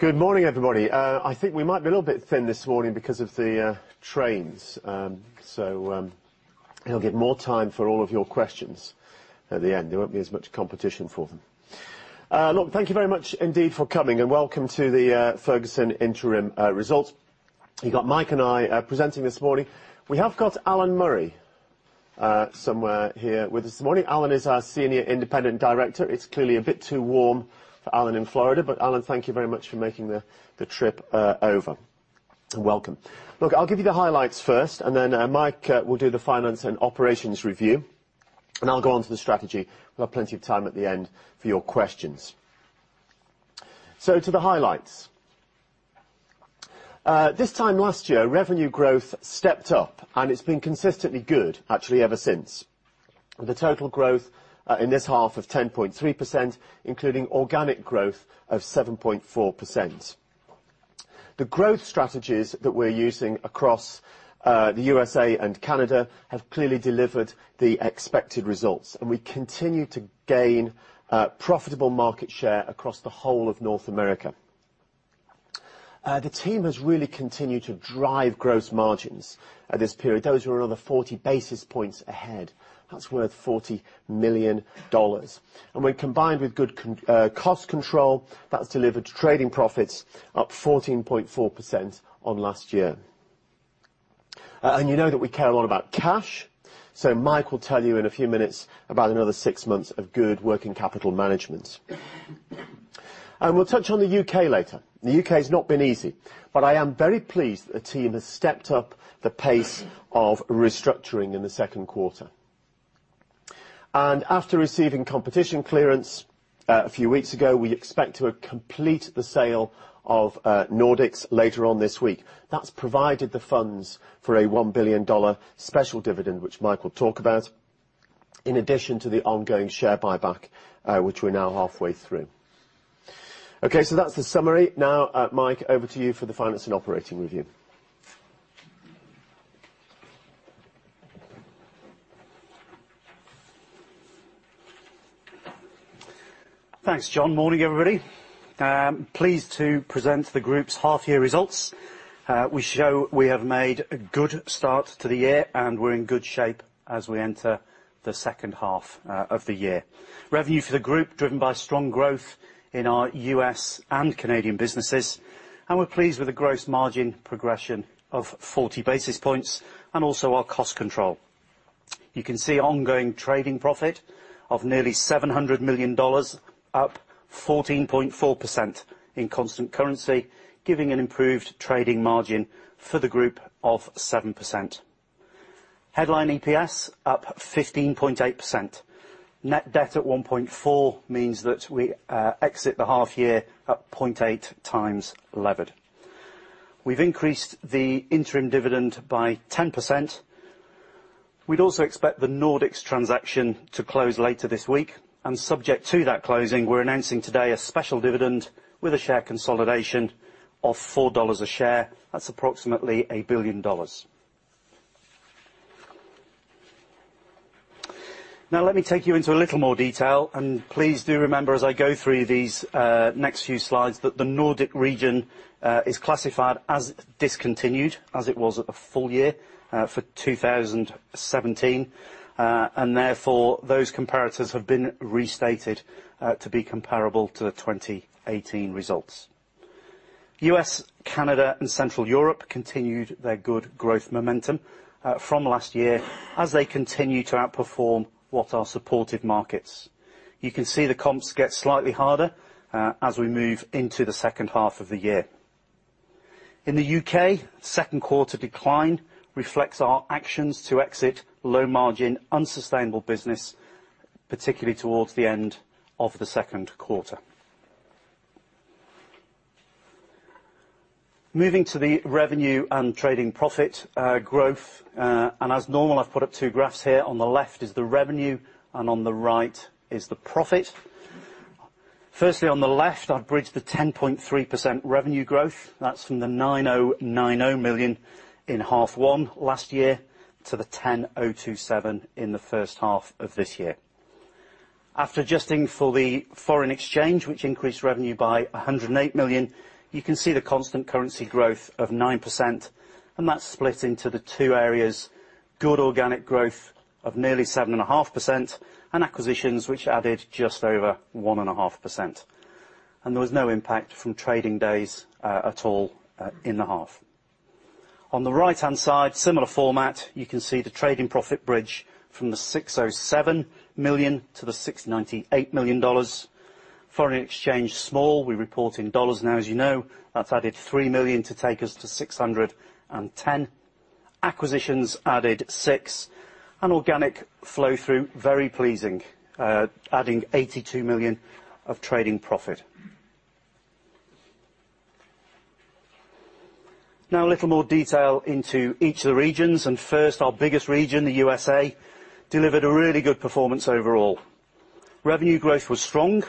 Good morning, everybody. I think we might be a little bit thin this morning because of the trains. It'll give more time for all of your questions at the end. There won't be as much competition for them. Thank you very much indeed for coming, and welcome to the Ferguson interim results. You've got Mike and I presenting this morning. We have got Alan Murray somewhere here with us this morning. Alan is our Senior Independent Director. It's clearly a bit too warm for Alan in Florida, but Alan, thank you very much for making the trip over. Welcome. I'll give you the highlights first, and then Mike will do the finance and operations review, and I'll go on to the strategy. We'll have plenty of time at the end for your questions. To the highlights. This time last year, revenue growth stepped up, and it's been consistently good actually ever since. The total growth in this half of 10.3%, including organic growth of 7.4%. The growth strategies that we're using across the U.S.A. and Canada have clearly delivered the expected results, and we continue to gain profitable market share across the whole of North America. The team has really continued to drive gross margins at this period. Those were another 40 basis points ahead. That's worth $40 million. When combined with good cost control, that's delivered to trading profits up 14.4% on last year. You know that we care a lot about cash, Mike will tell you in a few minutes about another six months of good working capital management. We'll touch on the U.K. later. The U.K.'s not been easy, but I am very pleased that the team has stepped up the pace of restructuring in the second quarter. After receiving competition clearance a few weeks ago, we expect to complete the sale of Nordics later on this week. That's provided the funds for a $1 billion special dividend, which Mike will talk about, in addition to the ongoing share buyback, which we're now halfway through. That's the summary. Mike, over to you for the finance and operating review. Thanks, John. Morning, everybody. Pleased to present the group's half year results. We show we have made a good start to the year, and we're in good shape as we enter the second half of the year. Revenue for the group driven by strong growth in our U.S. and Canadian businesses, and we're pleased with the gross margin progression of 40 basis points and also our cost control. You can see ongoing trading profit of nearly $700 million, up 14.4% in constant currency, giving an improved trading margin for the group of 7%. Headline EPS up 15.8%. Net debt at 1.4 means that we exit the half year at 0.8 times levered. We've increased the interim dividend by 10%. We'd also expect the Nordics transaction to close later this week, and subject to that closing, we're announcing today a special dividend with a share consolidation of $4 a share. That's approximately $1 billion. Let me take you into a little more detail, and please do remember as I go through these next few slides that the Nordic region is classified as discontinued as it was at the full year for 2017. Therefore, those comparators have been restated to be comparable to the 2018 results. U.S., Canada, and Central Europe continued their good growth momentum from last year as they continue to outperform what are supported markets. You can see the comps get slightly harder as we move into the second half of the year. In the U.K., second quarter decline reflects our actions to exit low margin, unsustainable business, particularly towards the end of the second quarter. Moving to the revenue and trading profit growth. As normal, I've put up two graphs here. On the left is the revenue and on the right is the profit. Firstly, on the left, I've bridged the 10.3% revenue growth. That's from the $9,090 million in half one last year to the $10,027 million in the first half of this year. After adjusting for the foreign exchange, which increased revenue by $108 million, you can see the constant currency growth of 9%, and that's split into the two areas, good organic growth of nearly 7.5% and acquisitions, which added just over 1.5%. There was no impact from trading days at all in the half. On the right-hand side, similar format. You can see the trading profit bridge from the $607 million to the $698 million. Foreign exchange small. We report in dollars now, as you know. That's added $3 million to take us to $610 million. Acquisitions added $6 million. Organic flow through, very pleasing, adding $82 million of trading profit. A little more detail into each of the regions. First, our biggest region, the U.S., delivered a really good performance overall. Revenue growth was strong.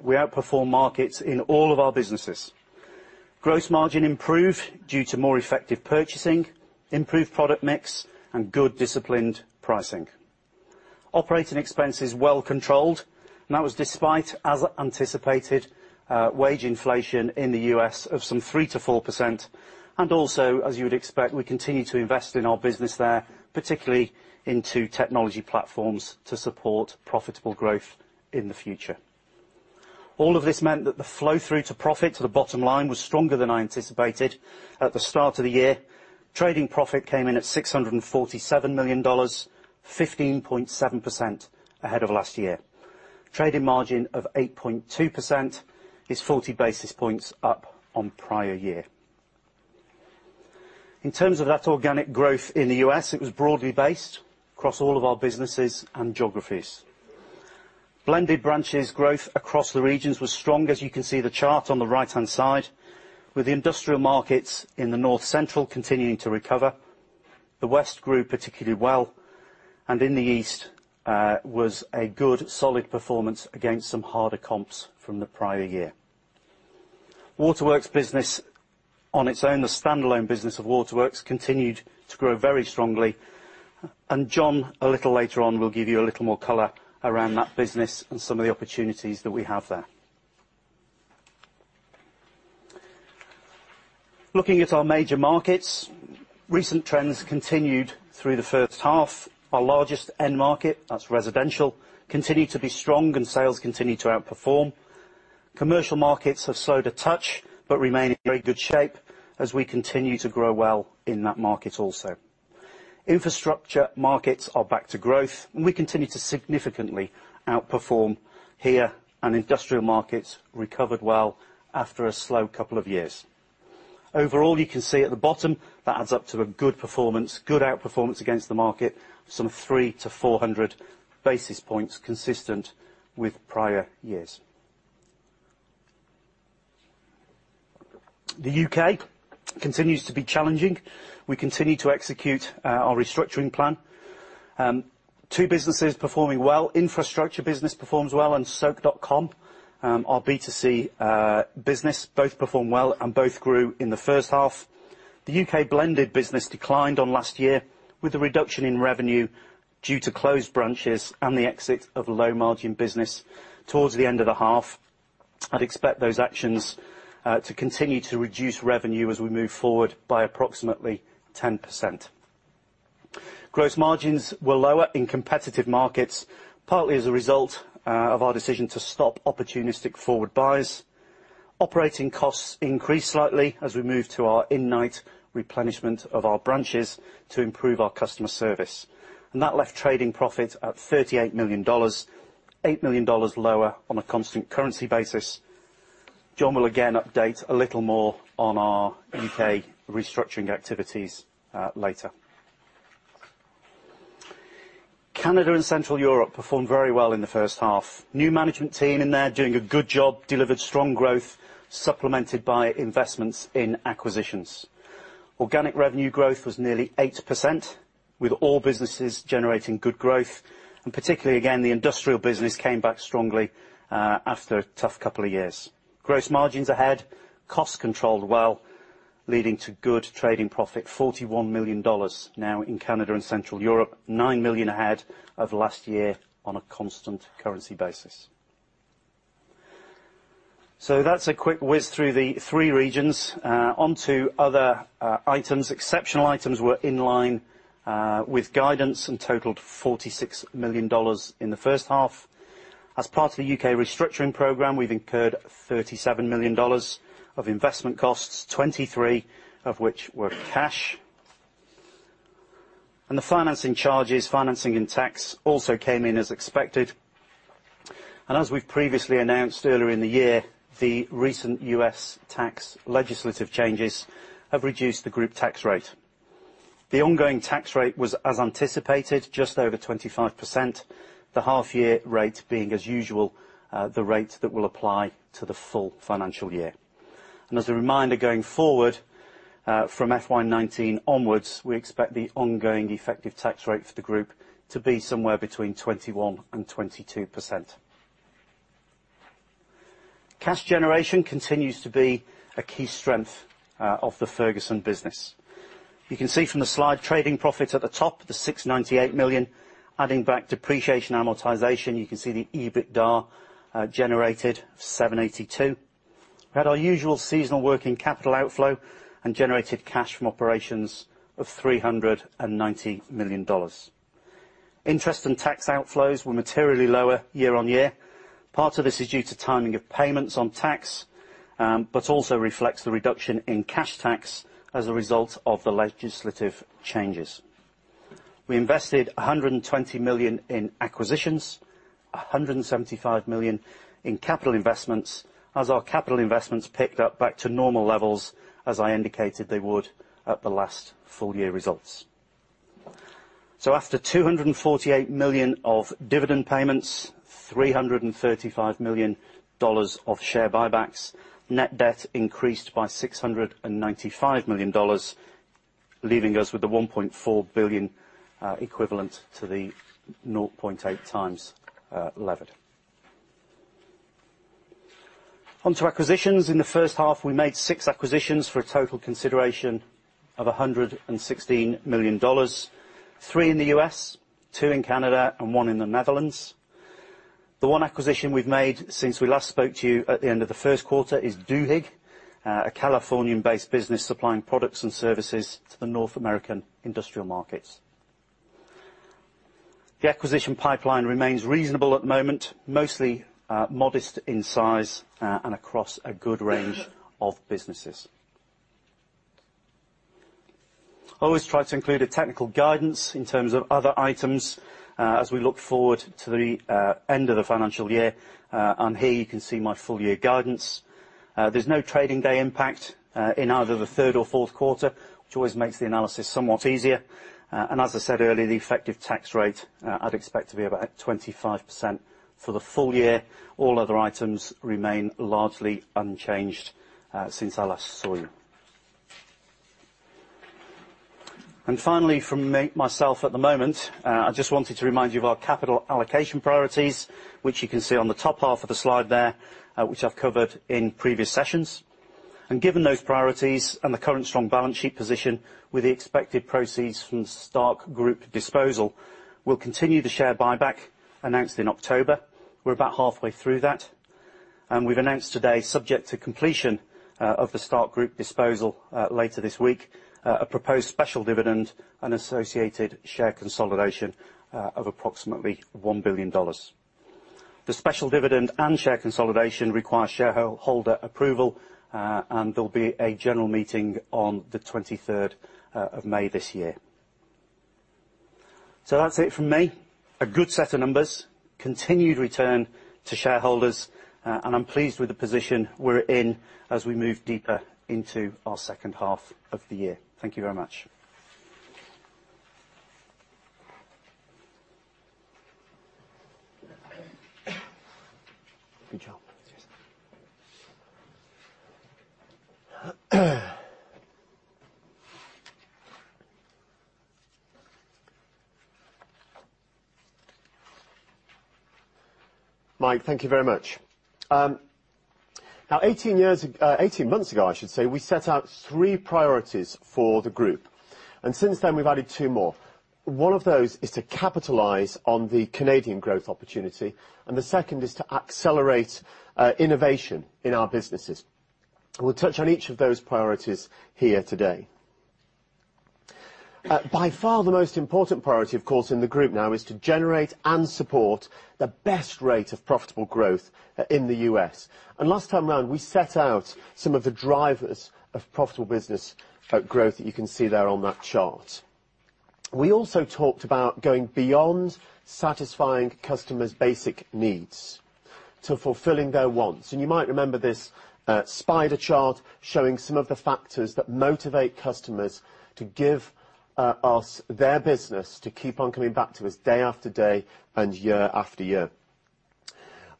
We outperformed markets in all of our businesses. Gross margin improved due to more effective purchasing, improved product mix, and good disciplined pricing. Operating expenses well controlled. That was despite, as anticipated, wage inflation in the U.S. of some 3% to 4%. Also, as you would expect, we continue to invest in our business there, particularly into technology platforms to support profitable growth in the future. All of this meant that the flow-through to profit to the bottom line was stronger than I anticipated at the start of the year. Trading profit came in at $647 million, 15.7% ahead of last year. Trading margin of 8.2% is 40 basis points up on prior year. In terms of that organic growth in the U.S., it was broadly based across all of our businesses and geographies. Blended branches growth across the regions was strong. As you can see the chart on the right-hand side, with the industrial markets in the north central continuing to recover. The west grew particularly well, and in the east was a good solid performance against some harder comps from the prior year. Waterworks business on its own, the standalone business of Waterworks, continued to grow very strongly. John, a little later on, will give you a little more color around that business and some of the opportunities that we have there. Looking at our major markets, recent trends continued through the first half. Our largest end market, that's residential, continued to be strong and sales continued to outperform. Commercial markets have slowed a touch, but remain in very good shape as we continue to grow well in that market also. Infrastructure markets are back to growth, and we continue to significantly outperform here. Industrial markets recovered well after a slow couple of years. Overall, you can see at the bottom that adds up to a good performance, good outperformance against the market, some 300 to 400 basis points consistent with prior years. The U.K. continues to be challenging. We continue to execute our restructuring plan. Two businesses performing well. Infrastructure business performs well and Soak.com, our B2C business, both performed well and both grew in the first half. The U.K. blended business declined on last year with a reduction in revenue due to closed branches and the exit of low-margin business towards the end of the half. I'd expect those actions to continue to reduce revenue as we move forward by approximately 10%. Gross margins were lower in competitive markets, partly as a result of our decision to stop opportunistic forward buys. Operating costs increased slightly as we moved to our in-night replenishment of our branches to improve our customer service. That left trading profit at $38 million, $8 million lower on a constant currency basis. John will again update a little more on our U.K. restructuring activities later. Canada and Central Europe performed very well in the first half. New management team in there doing a good job, delivered strong growth, supplemented by investments in acquisitions. Organic revenue growth was nearly 8%, with all businesses generating good growth. Particularly, again, the industrial business came back strongly after a tough couple of years. Gross margins ahead, cost controlled well, leading to good trading profit, $41 million now in Canada and Central Europe, $9 million ahead of last year on a constant currency basis. That's a quick whiz through the three regions. On to other items. Exceptional items were in line with guidance and totaled $46 million in the first half. As part of the U.K. restructuring program, we've incurred $37 million of investment costs, 23 of which were cash. The financing charges, financing and tax also came in as expected. As we've previously announced earlier in the year, the recent U.S. tax legislative changes have reduced the group tax rate. The ongoing tax rate was as anticipated, just over 25%, the half-year rate being as usual the rate that will apply to the full financial year. As a reminder, going forward, from FY 2019 onwards, we expect the ongoing effective tax rate for the group to be somewhere between 21% and 22%. Cash generation continues to be a key strength of the Ferguson business. You can see from the slide trading profit at the top, the $698 million. Adding back depreciation amortization, you can see the EBITDA generated, $782. We had our usual seasonal working capital outflow and generated cash from operations of $390 million. Interest and tax outflows were materially lower year-on-year. Part of this is due to timing of payments on tax, but also reflects the reduction in cash tax as a result of the legislative changes. We invested $120 million in acquisitions, $175 million in capital investments as our capital investments picked up back to normal levels as I indicated they would at the last full year results. After $248 million of dividend payments, $335 million of share buybacks, net debt increased by $695 million, leaving us with the $1.4 billion equivalent to the 0.8 times levered. On to acquisitions. In the first half, we made six acquisitions for a total consideration of $116 million. Three in the U.S., two in Canada, and one in the Netherlands. The one acquisition we've made since we last spoke to you at the end of the first quarter is Duhig, a Californian-based business supplying products and services to the North American industrial markets. The acquisition pipeline remains reasonable at the moment, mostly modest in size, and across a good range of businesses. I always try to include a technical guidance in terms of other items as we look forward to the end of the financial year. Here you can see my full year guidance. There's no trading day impact in either the third or fourth quarter, which always makes the analysis somewhat easier. As I said earlier, the effective tax rate I'd expect to be about 25% for the full year. All other items remain largely unchanged since I last saw you. Finally from myself, at the moment, I just wanted to remind you of our capital allocation priorities, which you can see on the top half of the slide there, which I've covered in previous sessions. Given those priorities and the current strong balance sheet position with the expected proceeds from Stark Group disposal, we'll continue the share buyback announced in October. We're about halfway through that. We've announced today, subject to completion of the Stark Group disposal later this week, a proposed special dividend and associated share consolidation of approximately $1 billion. The special dividend and share consolidation require shareholder approval, there'll be a general meeting on the 23rd of May this year. That's it from me. A good set of numbers, continued return to shareholders, I'm pleased with the position we're in as we move deeper into our second half of the year. Thank you very much. Good job. Cheers. Mike, thank you very much. 18 years, 18 months ago I should say, we set out three priorities for the group, and since then we've added two more. One of those is to capitalize on the Canadian growth opportunity, and the second is to accelerate innovation in our businesses. We'll touch on each of those priorities here today. By far, the most important priority, of course, in the group now is to generate and support the best rate of profitable growth in the U.S. Last time around, we set out some of the drivers of profitable business growth that you can see there on that chart. We also talked about going beyond satisfying customers' basic needs to fulfilling their wants. You might remember this spider chart showing some of the factors that motivate customers to give us their business, to keep on coming back to us day after day and year after year.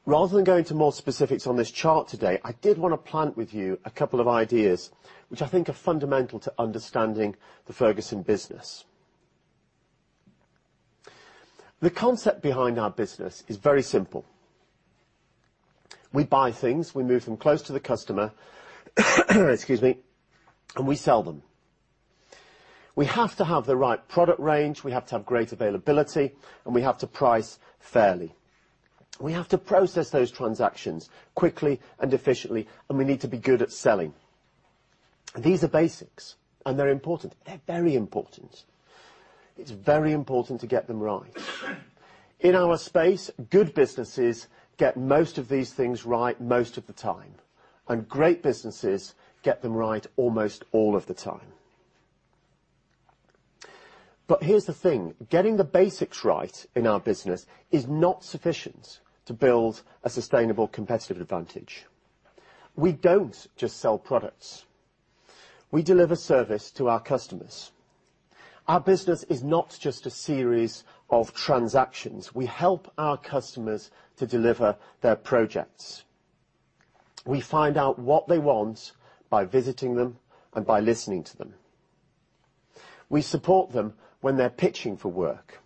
Rather than going into more specifics on this chart today, I did want to plant with you a couple of ideas, which I think are fundamental to understanding the Ferguson business. The concept behind our business is very simple. We buy things, we move them close to the customer, excuse me, and we sell them. We have to have the right product range, we have to have great availability, and we have to price fairly. We have to process those transactions quickly and efficiently, and we need to be good at selling. These are basics, and they're important. They're very important. It's very important to get them right. In our space, good businesses get most of these things right most of the time, and great businesses get them right almost all of the time. Here's the thing, getting the basics right in our business is not sufficient to build a sustainable competitive advantage. We don't just sell products. We deliver service to our customers. Our business is not just a series of transactions. We help our customers to deliver their projects. We find out what they want by visiting them and by listening to them. We support them when they're pitching for work.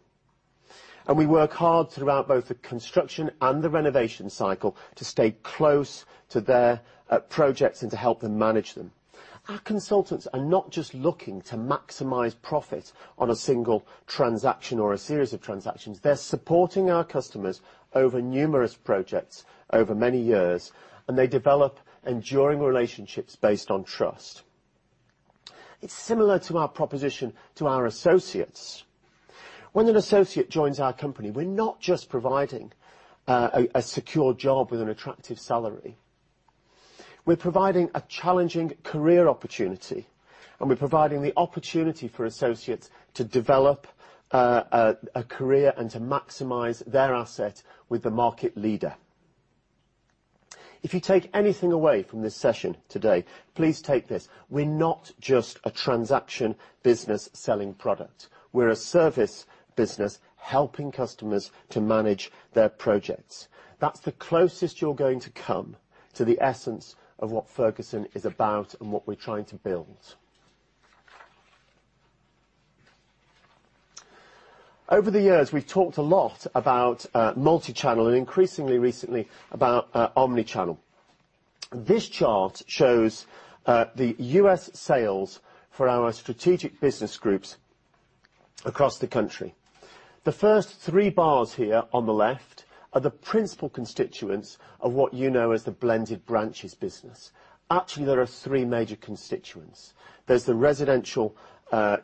We work hard throughout both the construction and the renovation cycle to stay close to their projects and to help them manage them. Our consultants are not just looking to maximize profit on a single transaction or a series of transactions. They're supporting our customers over numerous projects over many years, and they develop enduring relationships based on trust. It's similar to our proposition to our associates. When an associate joins our company, we're not just providing a secure job with an attractive salary. We're providing a challenging career opportunity, and we're providing the opportunity for associates to develop a career and to maximize their asset with the market leader. If you take anything away from this session today, please take this. We're not just a transaction business selling product. We're a service business helping customers to manage their projects. That's the closest you're going to come to the essence of what Ferguson is about and what we're trying to build. Over the years, we've talked a lot about multi-channel, and increasingly recently, about omni-channel. This chart shows the U.S. sales for our strategic business groups across the country. The first three bars here on the left are the principal constituents of what you know as the blended branches business. Actually, there are three major constituents. There's the residential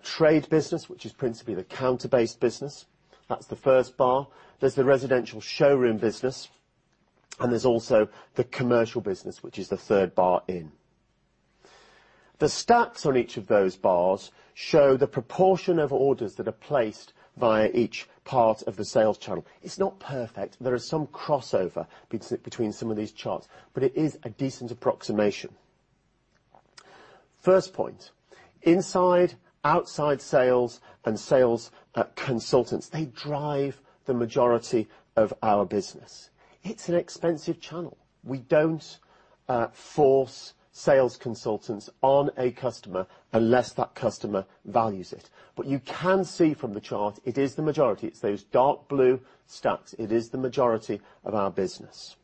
trade business, which is principally the counter-based business. That's the first bar. There's the residential showroom business, and there's also the commercial business, which is the third bar in. The stacks on each of those bars show the proportion of orders that are placed via each part of the sales channel. It's not perfect. There is some crossover between some of these charts, but it is a decent approximation. First point, inside, outside sales and sales consultants, they drive the majority of our business. It's an expensive channel. We don't force sales consultants on a customer unless that customer values it. You can see from the chart, it is the majority. It's those dark blue stacks. It is the majority of our business.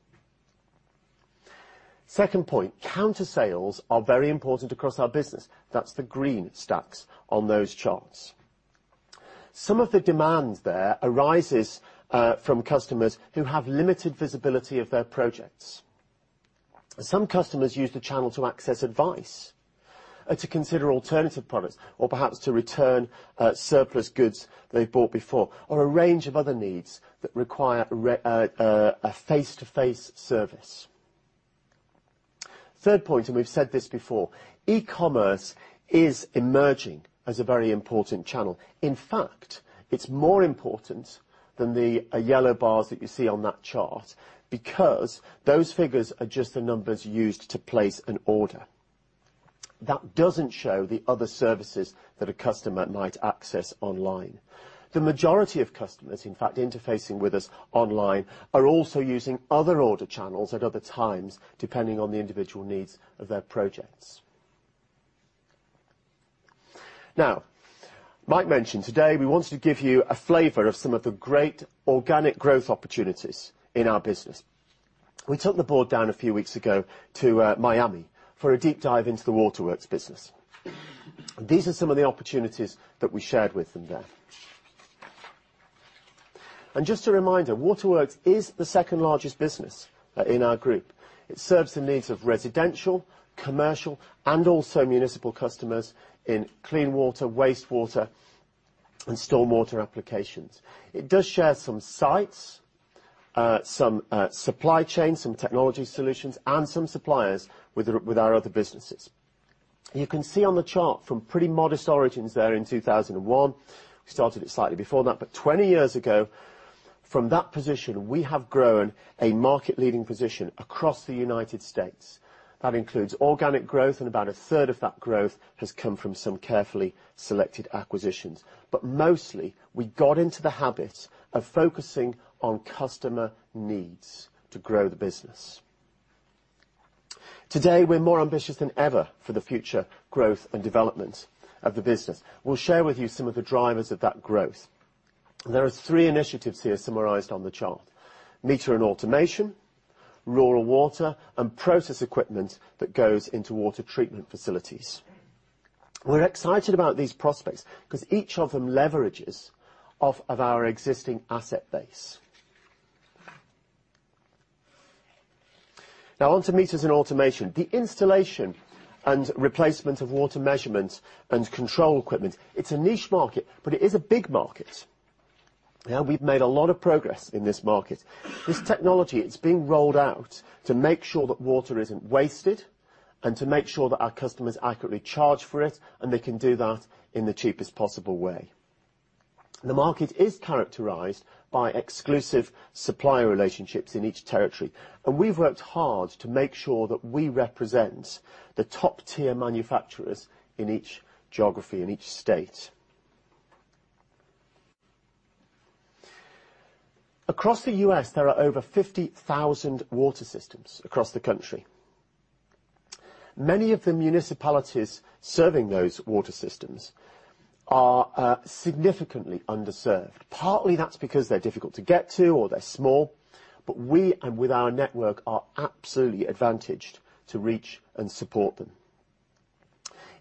Second point, counter sales are very important across our business. That's the green stacks on those charts. Some of the demand there arises from customers who have limited visibility of their projects. Some customers use the channel to access advice or to consider alternative products, or perhaps to return surplus goods they've bought before, or a range of other needs that require a face-to-face service. Third point, we've said this before, e-commerce is emerging as a very important channel. In fact, it's more important than the yellow bars that you see on that chart because those figures are just the numbers used to place an order. That doesn't show the other services that a customer might access online. The majority of customers, in fact, interfacing with us online, are also using other order channels at other times, depending on the individual needs of their projects. Now, Mike mentioned today we wanted to give you a flavor of some of the great organic growth opportunities in our business. We took the board down a few weeks ago to Miami for a deep dive into the Waterworks business. These are some of the opportunities that we shared with them there. Just a reminder, Waterworks is the second-largest business in our group. It serves the needs of residential, commercial, and also municipal customers in clean water, wastewater, and stormwater applications. It does share some sites, some supply chain, some technology solutions, and some suppliers with our other businesses. You can see on the chart from pretty modest origins there in 2001. We started it slightly before that, 20 years ago, from that position, we have grown a market-leading position across the United States. That includes organic growth, about a third of that growth has come from some carefully selected acquisitions. Mostly, we got into the habit of focusing on customer needs to grow the business. Today, we're more ambitious than ever for the future growth and development of the business. We'll share with you some of the drivers of that growth. There are three initiatives here summarized on the chart. Meter and automation, rural water, and process equipment that goes into water treatment facilities. We're excited about these prospects because each of them leverages off of our existing asset base. Now on to meters and automation. The installation and replacement of water measurement and control equipment, it's a niche market, it is a big market. We've made a lot of progress in this market. This technology, it's being rolled out to make sure that water isn't wasted and to make sure that our customers accurately charge for it, and they can do that in the cheapest possible way. The market is characterized by exclusive supplier relationships in each territory, and we've worked hard to make sure that we represent the top-tier manufacturers in each geography, in each state. Across the U.S., there are over 50,000 water systems across the country. Many of the municipalities serving those water systems are significantly underserved. Partly, that's because they're difficult to get to or they're small, but we, and with our network, are absolutely advantaged to reach and support them.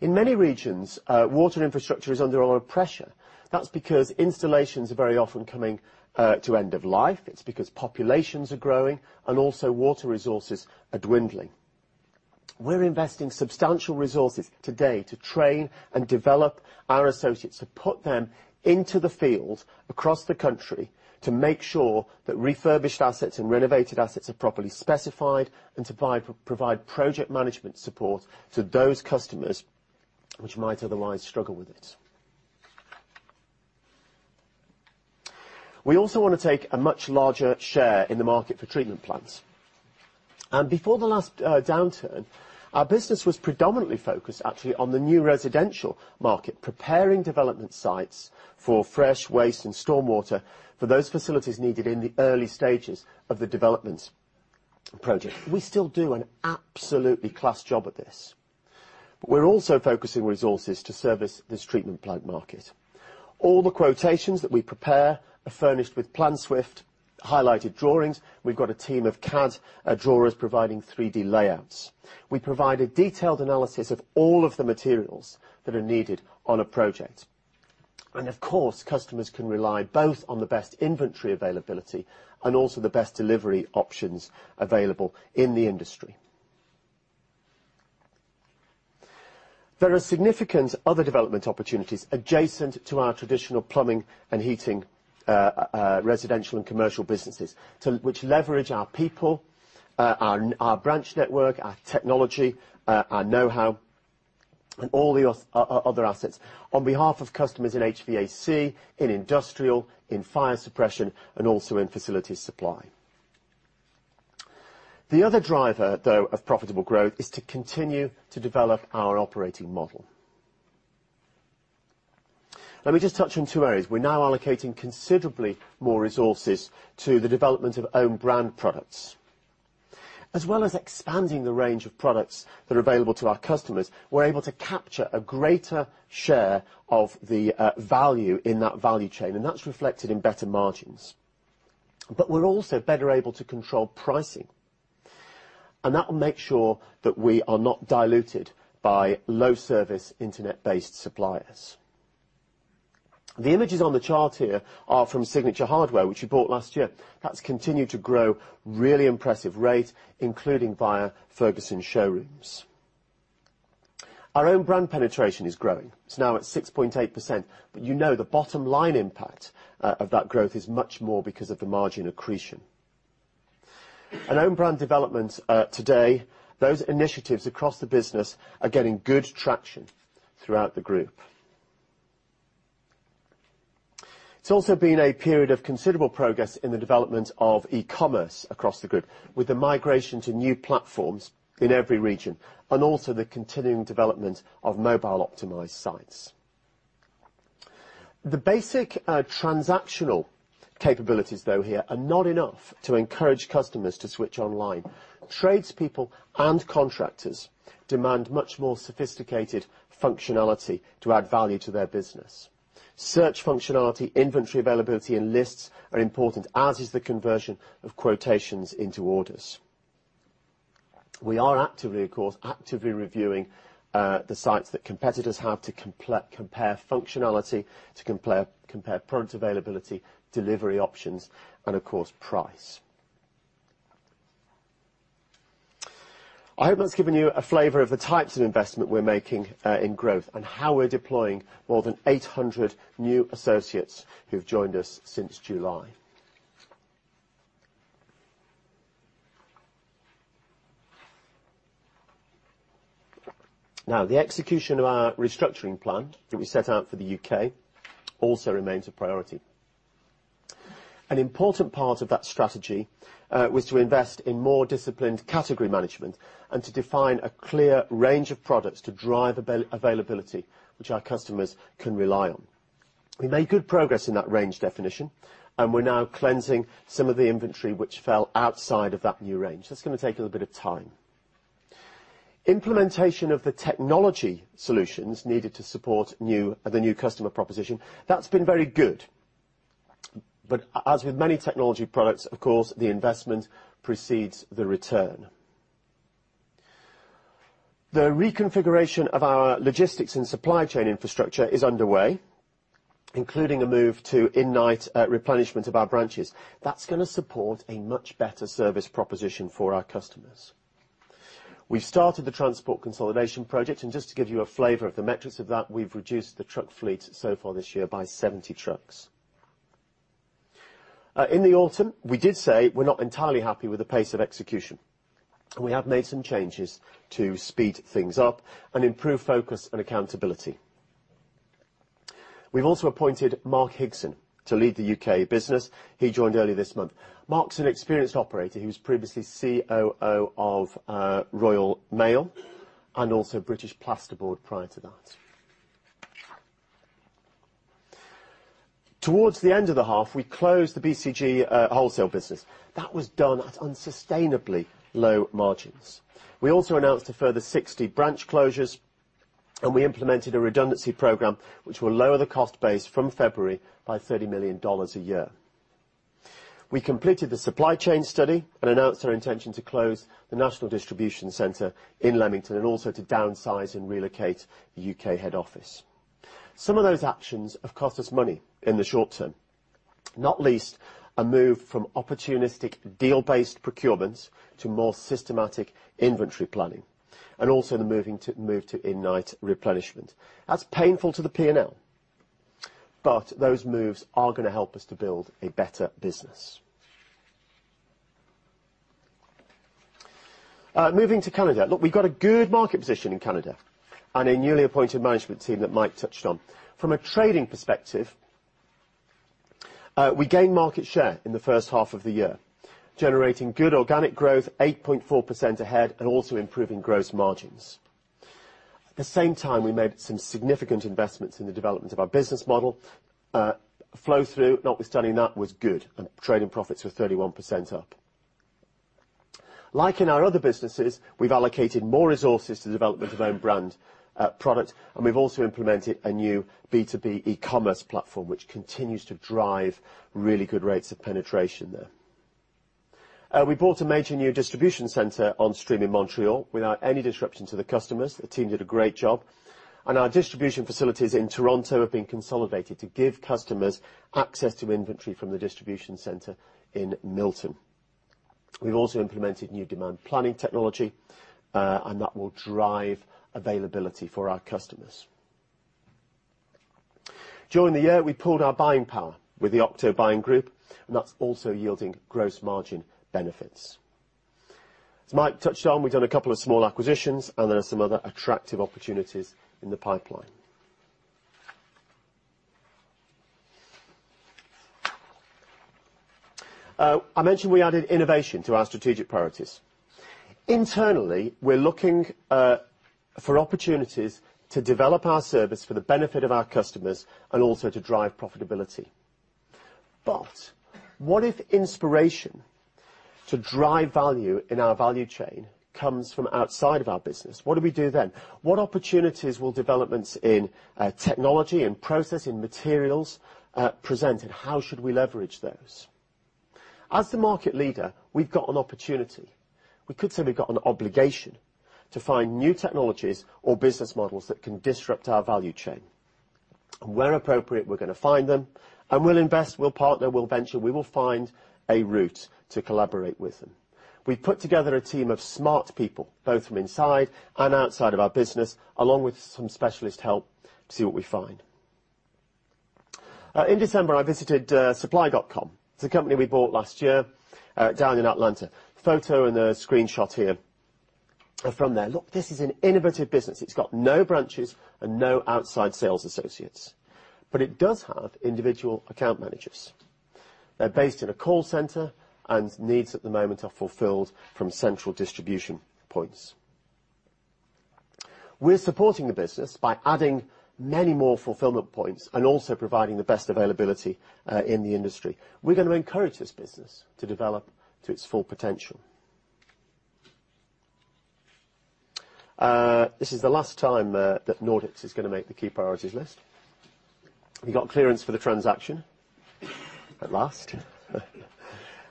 In many regions, water infrastructure is under a lot of pressure. That's because installations are very often coming to end of life. It's because populations are growing, and also water resources are dwindling. We're investing substantial resources today to train and develop our associates, to put them into the field across the country to make sure that refurbished assets and renovated assets are properly specified and to provide project management support to those customers which might otherwise struggle with it. We also want to take a much larger share in the market for treatment plants. Before the last downturn, our business was predominantly focused actually on the new residential market, preparing development sites for fresh waste and stormwater for those facilities needed in the early stages of the developments project. We still do an absolutely class job at this. We're also focusing resources to service this treatment plant market. All the quotations that we prepare are furnished with PlanSwift highlighted drawings. We've got a team of CAD drawers providing 3D layouts. We provide a detailed analysis of all of the materials that are needed on a project. Of course, customers can rely both on the best inventory availability and also the best delivery options available in the industry. There are significant other development opportunities adjacent to our traditional plumbing and heating, residential and commercial businesses, which leverage our people, our branch network, our technology, our knowhow, and all the other assets on behalf of customers in HVAC, in industrial, in fire suppression, and also in facility supply. The other driver, though, of profitable growth is to continue to develop our operating model. Let me just touch on two areas. We're now allocating considerably more resources to the development of own-brand products. As well as expanding the range of products that are available to our customers, we're able to capture a greater share of the value in that value chain, and that's reflected in better margins. We're also better able to control pricing, and that will make sure that we are not diluted by low-service, internet-based suppliers. The images on the chart here are from Signature Hardware, which we bought last year. That's continued to grow really impressive rate, including via Ferguson showrooms. Our own brand penetration is growing. It's now at 6.8%, but you know the bottom line impact of that growth is much more because of the margin accretion. In own brand development today, those initiatives across the business are getting good traction throughout the group. It's also been a period of considerable progress in the development of e-commerce across the group with the migration to new platforms in every region and also the continuing development of mobile-optimized sites. The basic transactional capabilities, though here, are not enough to encourage customers to switch online. Tradespeople and contractors demand much more sophisticated functionality to add value to their business. Search functionality, inventory availability, and lists are important, as is the conversion of quotations into orders. We are actively, of course, actively reviewing the sites that competitors have to compare functionality, to compare product availability, delivery options, and of course, price. I hope that's given you a flavor of the types of investment we're making in growth and how we're deploying more than 800 new associates who've joined us since July. The execution of our restructuring plan that we set out for the U.K. also remains a priority. An important part of that strategy was to invest in more disciplined category management and to define a clear range of products to drive availability, which our customers can rely on. We made good progress in that range definition, and we're now cleansing some of the inventory which fell outside of that new range. That's going to take a little bit of time. Implementation of the technology solutions needed to support the new customer proposition, that's been very good. As with many technology products, of course, the investment precedes the return. The reconfiguration of our logistics and supply chain infrastructure is underway, including a move to in-night replenishment of our branches. That's going to support a much better service proposition for our customers. We started the transport consolidation project. Just to give you a flavor of the metrics of that, we've reduced the truck fleet so far this year by 70 trucks. In the autumn, we did say we're not entirely happy with the pace of execution. We have made some changes to speed things up and improve focus and accountability. We've also appointed Mark Higson to lead the U.K. business. He joined earlier this month. Mark's an experienced operator. He was previously COO of Royal Mail and also British Plaster Board prior to that. Towards the end of the half, we closed the BCG wholesale business. That was done at unsustainably low margins. We also announced a further 60 branch closures, and we implemented a redundancy program which will lower the cost base from February by $30 million a year. We completed the supply chain study and announced our intention to close the national distribution center in Leamington and also to downsize and relocate the U.K. head office. Some of those actions have cost us money in the short term, not least a move from opportunistic deal-based procurements to more systematic inventory planning, and also the move to in-night replenishment. That's painful to the P&L. Those moves are going to help us to build a better business. Moving to Canada. Look, we've got a good market position in Canada and a newly appointed management team that Mike touched on. From a trading perspective, we gained market share in the first half of the year, generating good organic growth 8.4% ahead and also improving gross margins. At the same time, we made some significant investments in the development of our business model. Flow through, notwithstanding that, was good, and trading profits were 31% up. Like in our other businesses, we've allocated more resources to the development of own brand product, and we've also implemented a new B2B e-commerce platform, which continues to drive really good rates of penetration there. We brought a major new distribution center on stream in Montreal without any disruption to the customers. The team did a great job. Our distribution facilities in Toronto have been consolidated to give customers access to inventory from the distribution center in Milton. We've also implemented new demand planning technology, and that will drive availability for our customers. During the year, we pooled our buying power with the Octo Purchasing Group, and that's also yielding gross margin benefits. As Mike touched on, we've done a couple of small acquisitions, and there are some other attractive opportunities in the pipeline. I mentioned we added innovation to our strategic priorities. Internally, we're looking for opportunities to develop our service for the benefit of our customers and also to drive profitability. What if inspiration to drive value in our value chain comes from outside of our business? What do we do then? What opportunities will developments in technology, in process, in materials present, and how should we leverage those? As the market leader, we've got an opportunity. We could say we've got an obligation to find new technologies or business models that can disrupt our value chain. Where appropriate, we're going to find them, and we'll invest, we'll partner, we'll venture. We will find a route to collaborate with them. We've put together a team of smart people, both from inside and outside of our business, along with some specialist help to see what we find. In December, I visited supply.com. It's a company we bought last year down in Atlanta. Photo and a screenshot here are from there. Look, this is an innovative business. It's got no branches and no outside sales associates, but it does have individual account managers. They're based in a call center, and needs at the moment are fulfilled from central distribution points. We're supporting the business by adding many more fulfillment points and also providing the best availability in the industry. We're going to encourage this business to develop to its full potential. This is the last time that Nordics is going to make the key priorities list. We got clearance for the transaction at last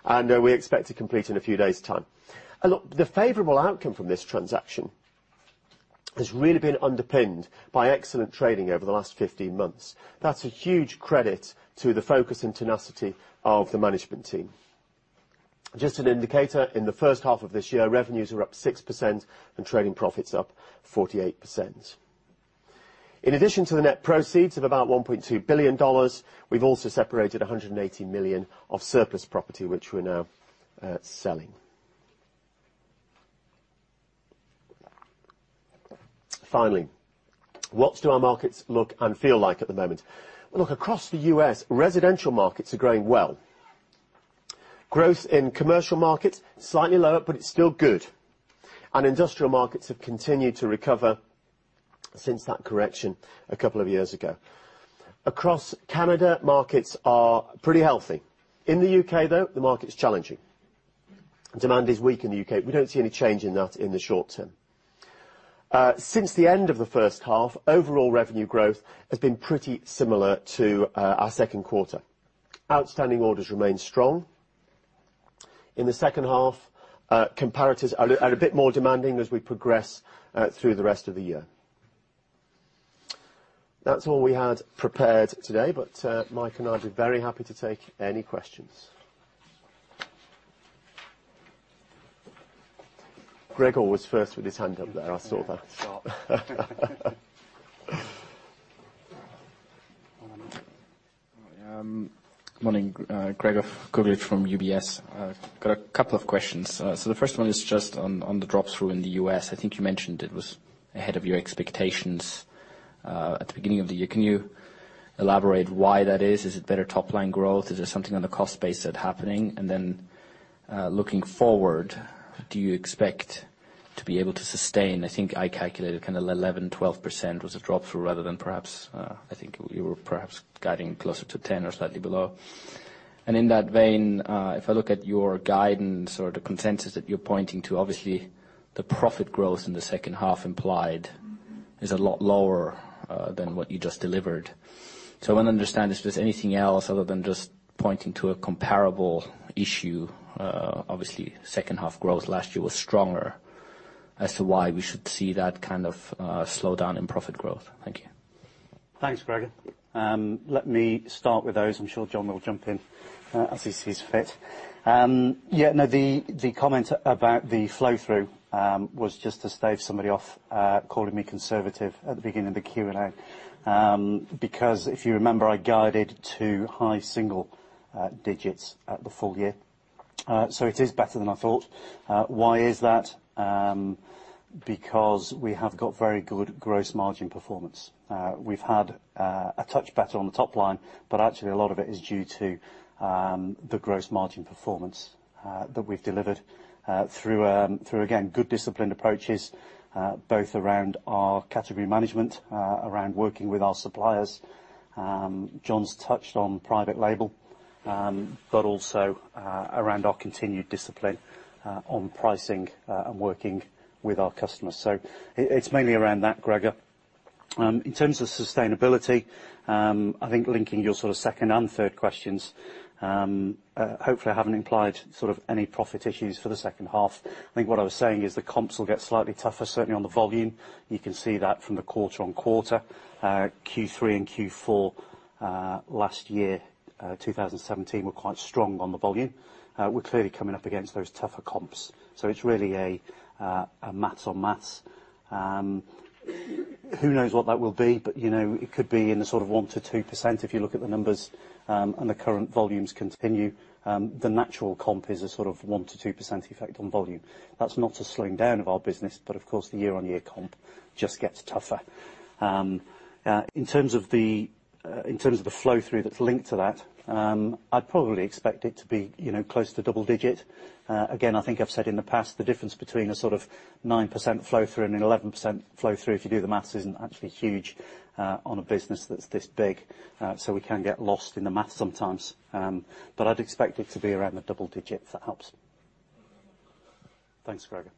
and we expect to complete in a few days' time. Look, the favorable outcome from this transaction has really been underpinned by excellent trading over the last 15 months. That's a huge credit to the focus and tenacity of the management team. Just an indicator, in the first half of this year, revenues are up 6% and trading profits up 48%. In addition to the net proceeds of about $1.2 billion, we've also separated $180 million of surplus property, which we're now selling. Finally, what do our markets look and feel like at the moment? Look, across the U.S., residential markets are growing well. Growth in commercial markets, slightly lower, but it's still good. Industrial markets have continued to recover since that correction a couple of years ago. Across Canada, markets are pretty healthy. In the U.K., though, the market is challenging. Demand is weak in the U.K. We don't see any change in that in the short term. Since the end of the first half, overall revenue growth has been pretty similar to our second quarter. Outstanding orders remain strong. In the second half, comparatives are a bit more demanding as we progress through the rest of the year. That's all we had prepared today, Mike and I would be very happy to take any questions. Gregor was first with his hand up there, I saw that. Yeah, sharp. Morning. Gregor Kuglitsch from UBS. I've got a couple of questions. The first one is just on the drop through in the U.S. I think you mentioned it was ahead of your expectations at the beginning of the year. Can you elaborate why that is? Is it better top-line growth? Is there something on the cost base that happening? Looking forward, do you expect to be able to sustain, I think I calculated kind of 11%-12% was a drop through rather than perhaps, I think you were perhaps guiding closer to 10% or slightly below. In that vein, if I look at your guidance or the consensus that you're pointing to, obviously the profit growth in the second half implied is a lot lower than what you just delivered. I want to understand, is there anything else other than just pointing to a comparable issue? Obviously, second half growth last year was stronger as to why we should see that kind of slowdown in profit growth. Thank you. Thanks, Gregor. Let me start with those. I'm sure John will jump in as he sees fit. Yeah, no, the comment about the flow through was just to stave somebody off calling me conservative at the beginning of the Q&A because if you remember, I guided to high single digits at the full year. It is better than I thought. Why is that? We have got very good gross margin performance. We've had a touch better on the top line, but actually a lot of it is due to the gross margin performance that we've delivered through, again, good disciplined approaches, both around our category management, around working with our suppliers. John's touched on private label, but also around our continued discipline on pricing and working with our customers. It's mainly around that, Gregor. In terms of sustainability, I think linking your sort of second and third questions, hopefully I haven't implied sort of any profit issues for the second half. I think what I was saying is the comps will get slightly tougher, certainly on the volume. You can see that from the quarter-on-quarter, Q3 and Q4. Last year, 2017, were quite strong on the volume. We're clearly coming up against those tougher comps. It's really a maths on maths. Who knows what that will be, but it could be in the sort of 1%-2% if you look at the numbers, and the current volumes continue. The natural comp is a sort of 1%-2% effect on volume. That's not a slowing down of our business. Of course, the year-on-year comp just gets tougher. In terms of the flow-through that's linked to that, I'd probably expect it to be close to double digit. Again, I think I've said in the past, the difference between a sort of 9% flow-through and an 11% flow-through, if you do the maths, isn't actually huge on a business that's this big. We can get lost in the math sometimes. I'd expect it to be around the double digits. If that helps. Thanks, Gregor.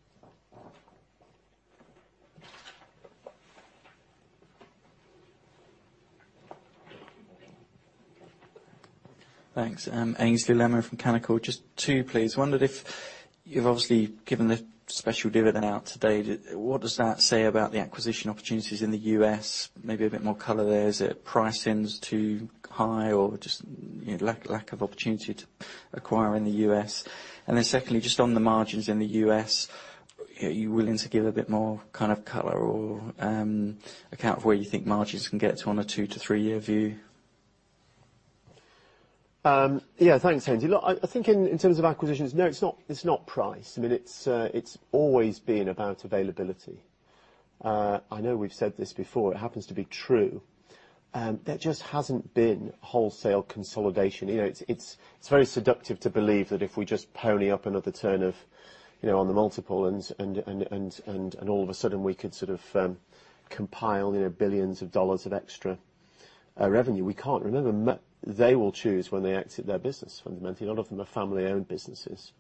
Thanks. Aynsley Lammin from Canaccord. Just two, please. You've obviously given the special dividend out today. What does that say about the acquisition opportunities in the U.S.? Maybe a bit more color there. Is it pricing's too high or just lack of opportunity to acquire in the U.S.? Secondly, just on the margins in the U.S., are you willing to give a bit more kind of color or account for where you think margins can get to on a two to three-year view? Yeah. Thanks, Aynsley. Look, I think in terms of acquisitions, no, it's not price. It's always been about availability. I know we've said this before. It happens to be true. There just hasn't been wholesale consolidation. It's very seductive to believe that if we just pony up another turn on the multiple and all of a sudden we could sort of compile billions of dollars of extra revenue. We can't. Remember, they will choose when they exit their business, fundamentally. A lot of them are family-owned businesses.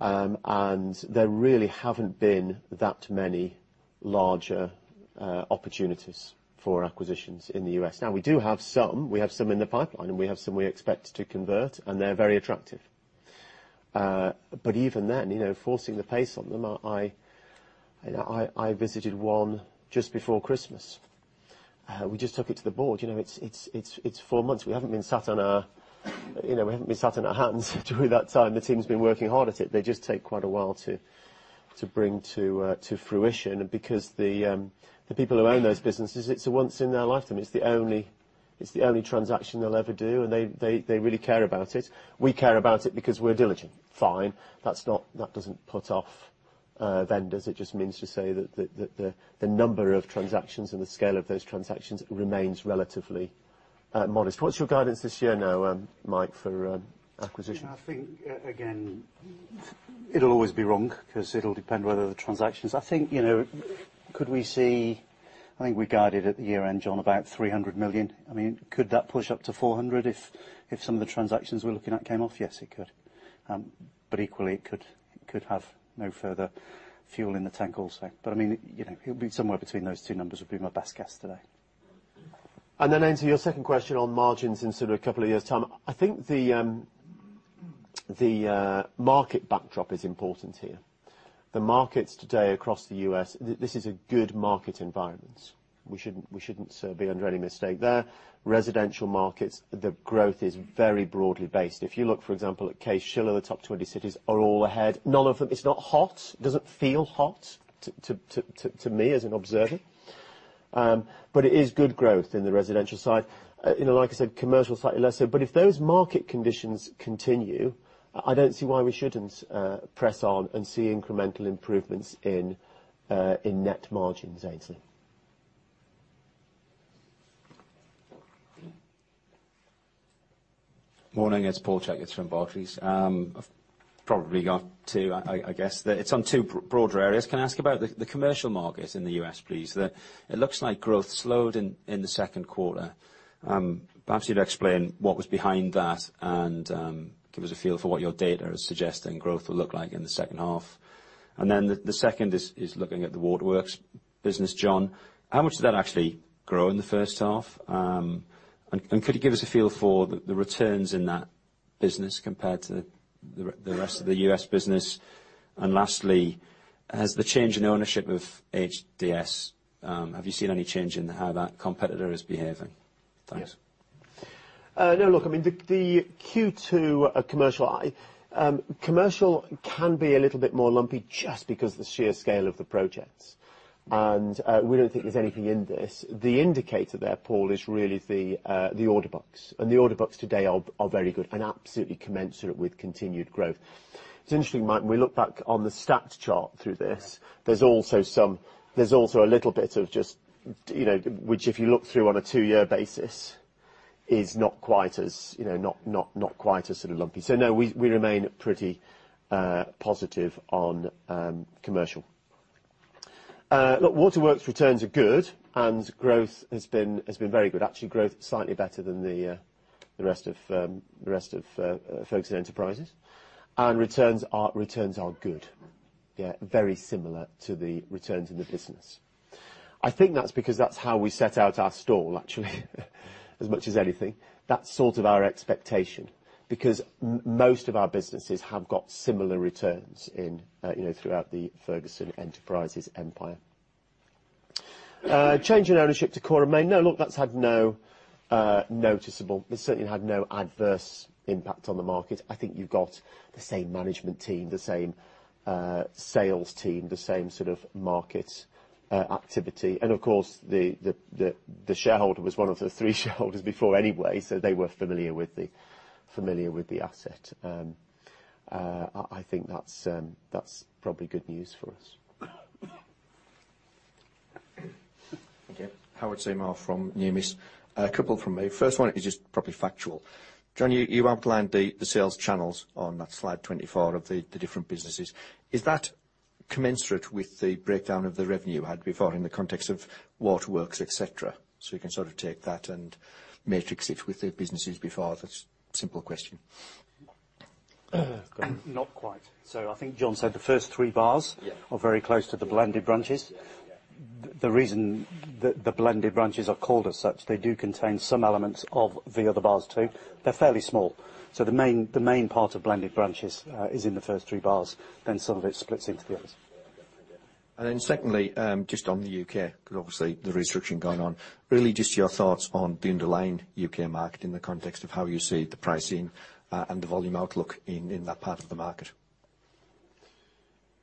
There really haven't been that many larger opportunities for acquisitions in the U.S. Now, we do have some. We have some in the pipeline. We have some we expect to convert, and they're very attractive. Even then, forcing the pace on them, I visited one just before Christmas. We just took it to the board. It's four months. We haven't been sat on our hands during that time. The team's been working hard at it. They just take quite a while to bring to fruition because the people who own those businesses, it's a once in their lifetime. It's the only transaction they'll ever do, and they really care about it. We care about it because we're diligent. Fine. That doesn't put off vendors. It just means to say that the number of transactions and the scale of those transactions remains relatively modest. What's your guidance this year now, Mike, for acquisition? I think, again, it'll always be wrong because it'll depend whether the transactions I think we guided at the year-end, John, about $300 million. Could that push up to $400 if some of the transactions we're looking at came off? Yes, it could. Equally, it could have no further fuel in the tank also. It'll be somewhere between those two numbers, would be my best guess today. Aynsley, your second question on margins in sort of a couple of years' time. I think the market backdrop is important here. The markets today across the U.S., this is a good market environment. We shouldn't be under any mistake there. Residential markets, the growth is very broadly based. If you look, for example, at Case-Shiller, the top 20 cities are all ahead. None of them, it's not hot. It doesn't feel hot to me as an observer. It is good growth in the residential side. Like I said, commercial slightly less so. If those market conditions continue, I don't see why we shouldn't press on and see incremental improvements in net margins, Aynsley. Morning. It's Paul Checketts from Barclays. I've probably got two, I guess. It's on two broader areas. Can I ask about the commercial market in the U.S., please? It looks like growth slowed in the second quarter. Perhaps you'd explain what was behind that and give us a feel for what your data is suggesting growth will look like in the second half. The second is looking at the Waterworks business. John, how much did that actually grow in the first half? Could you give us a feel for the returns in that business compared to the rest of the U.S. business? Lastly, has the change in ownership of HDS, have you seen any change in how that competitor is behaving? Thanks. No, look, the Q2 commercial can be a little bit more lumpy just because of the sheer scale of the projects. We don't think there's anything in this. The indicator there, Paul, is really the order books. The order books today are very good and absolutely commensurate with continued growth. It's interesting, Martin, when we look back on the stacked chart through this, there's also a little bit of just, which if you look through on a two-year basis, is not quite as lumpy. No, we remain pretty positive on commercial. Look, Waterworks returns are good, and growth has been very good. Actually, growth slightly better than the rest of Ferguson Enterprises. Returns are good. Very similar to the returns in the business. I think that's because that's how we set out our stall, actually as much as anything. That's sort of our expectation, because most of our businesses have got similar returns throughout the Ferguson Enterprises empire. Change in ownership to Coram Main. No, look, that's had no noticeable, it's certainly had no adverse impact on the market. I think you've got the same management team, the same sales team, the same sort of market activity. Of course, the shareholder was one of the three shareholders before anyway, so they were familiar with the asset. I think that's probably good news for us. Thank you. Howard Seymour from Numis. A couple from me. First one is just probably factual. John, you outlined the sales channels on that slide 24 of the different businesses. Is that commensurate with the breakdown of the revenue you had before in the context of Waterworks, et cetera? You can sort of take that and matrix it with the businesses before that. Simple question. Go on. Not quite. I think John said the first three bars. Yeah are very close to the blended branches. Yeah. The reason that the blended branches are called as such, they do contain some elements of the other bars, too. They're fairly small. The main part of blended branches is in the first three bars, then some of it splits into the others. Yeah. Secondly, just on the U.K., because obviously the restriction going on, really just your thoughts on the underlying U.K. market in the context of how you see the pricing and the volume outlook in that part of the market.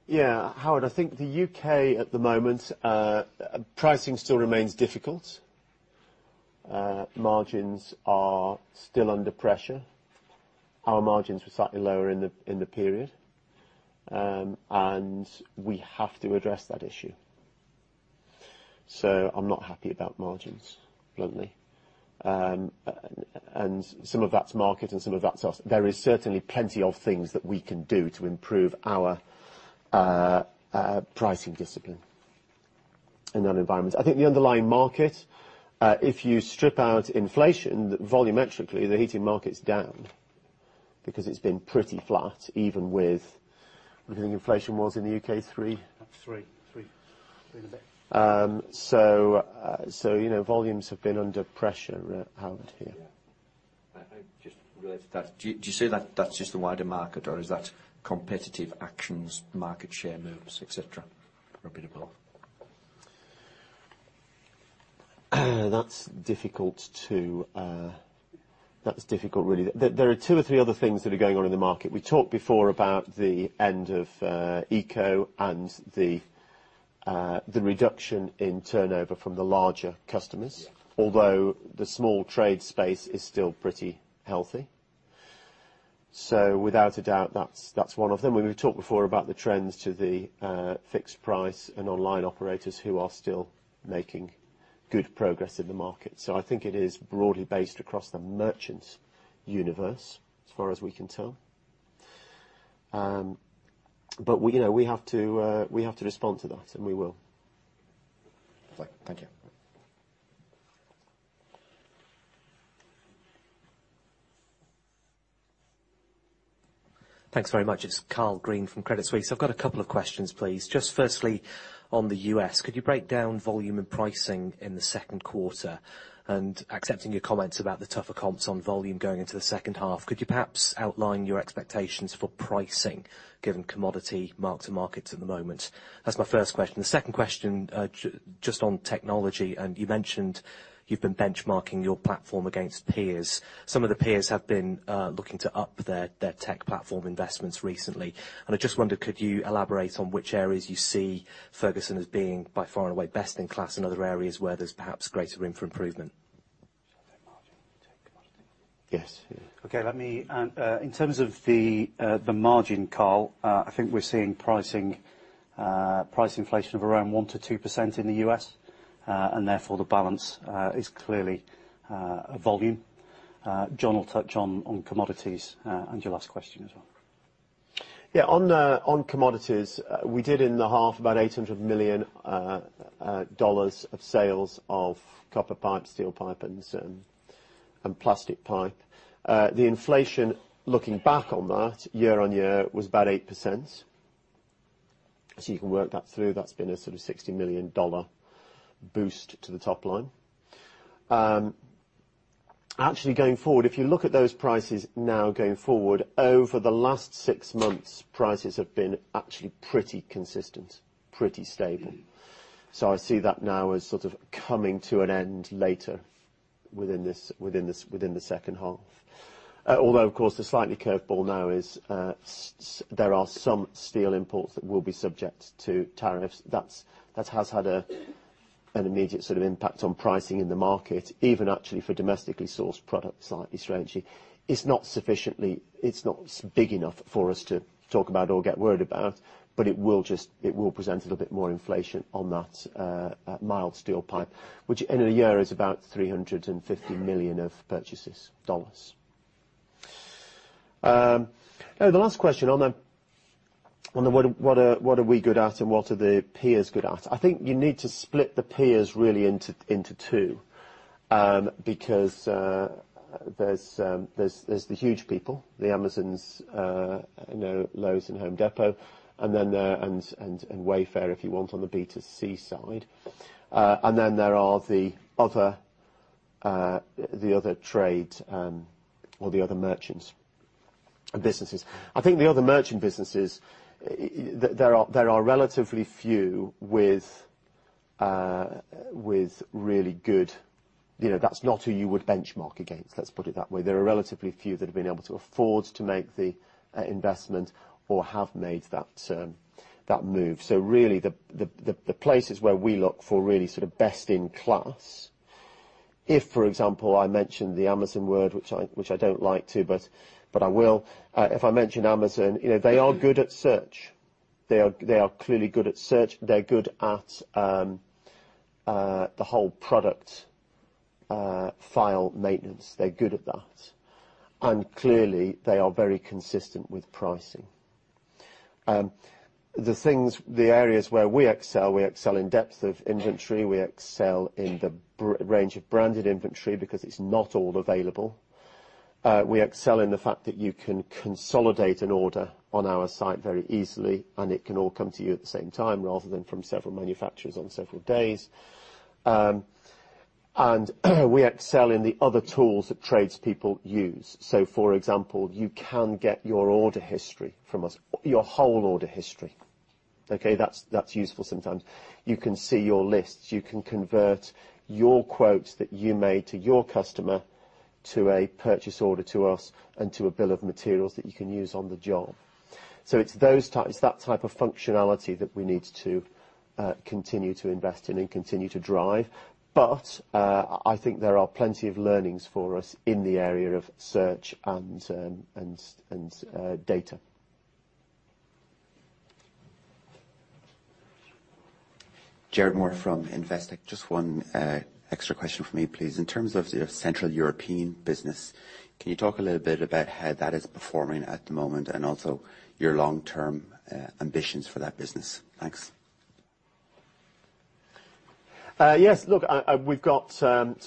Yeah. Howard, I think the U.K. at the moment, pricing still remains difficult. Margins are still under pressure. Our margins were slightly lower in the period, and we have to address that issue. I'm not happy about margins, bluntly. Some of that's market and some of that's us. There is certainly plenty of things that we can do to improve our pricing discipline in that environment. I think the underlying market, if you strip out inflation, volumetrically, the heating market's down because it's been pretty flat, even with What do you think inflation was in the U.K., three? Three. Three and a bit. Volumes have been under pressure, Howard, here. Just related to that, do you say that's just the wider market or is that competitive actions, market share moves, et cetera? A bit of both? That's difficult really. There are two or three other things that are going on in the market. We talked before about the end of ECO and the reduction in turnover from the larger customers. Yeah. Although the small trade space is still pretty healthy. Without a doubt, that's one of them. We talked before about the trends to the fixed price and online operators who are still making good progress in the market. I think it is broadly based across the merchant universe, as far as we can tell. We have to respond to that, and we will. Right. Thank you. Thanks very much. It's Carl Green from Credit Suisse. I've got a couple of questions, please. Just firstly, on the U.S., could you break down volume and pricing in the second quarter? Accepting your comments about the tougher comps on volume going into the second half, could you perhaps outline your expectations for pricing, given commodity mark to market at the moment? That's my first question. The second question, just on technology, you mentioned you've been benchmarking your platform against peers. Some of the peers have been looking to up their tech platform investments recently, and I just wondered, could you elaborate on which areas you see Ferguson as being by far and away best in class and other areas where there's perhaps greater room for improvement? Shall I take margin and you take commodity? Yes. Okay. In terms of the margin, Carl, I think we're seeing price inflation of around 1%-2% in the U.S., and therefore, the balance is clearly volume. John will touch on commodities and your last question as well. Yeah, on commodities, we did in the half about $800 million of sales of copper pipe, steel pipe, and plastic pipe. The inflation, looking back on that year-over-year, was about 8%. You can work that through. That's been a sort of $60 million boost to the top line. Actually, going forward, if you look at those prices now going forward, over the last six months, prices have been actually pretty consistent, pretty stable. I see that now as sort of coming to an end later within the second half. Although of course, the slightly curveball now is there are some steel imports that will be subject to tariffs. That has had an immediate sort of impact on pricing in the market, even actually for domestically sourced products, slightly strangely. It's not big enough for us to talk about or get worried about, but it will present a little bit more inflation on that mild steel pipe, which in a year is about $350 million of purchases. The last question on what are we good at and what are the peers good at? I think you need to split the peers really into two because there's the huge people, the Amazon, Lowe's and Home Depot and Wayfair, if you want on the B2C side. Then there are the other trade or the other merchants and businesses. I think the other merchant businesses, there are relatively few. That's not who you would benchmark against, let's put that way. There are relatively few that have been able to afford to make the investment or have made that move. Really the places where we look for really sort of best in class, if, for example, I mentioned the Amazon word, which I don't like to, but I will. If I mention Amazon, they are good at search. They are clearly good at search. They're good at the whole product file maintenance. They're good at that. Clearly, they are very consistent with pricing. The areas where we excel, we excel in depth of inventory. We excel in the range of branded inventory because it's not all available. We excel in the fact that you can consolidate an order on our site very easily, and it can all come to you at the same time rather than from several manufacturers on several days. We excel in the other tools that trades people use. For example, you can get your order history from us, your whole order history. Okay. That's useful sometimes. You can see your lists. You can convert your quotes that you made to your customer to a purchase order to us and to a bill of materials that you can use on the job. It's that type of functionality that we need to continue to invest in and continue to drive. I think there are plenty of learnings for us in the area of search and data. Gerard Moore from Investec. Just one extra question from me, please. In terms of your central European business, can you talk a little bit about how that is performing at the moment and also your long-term ambitions for that business? Thanks. Yes. Look,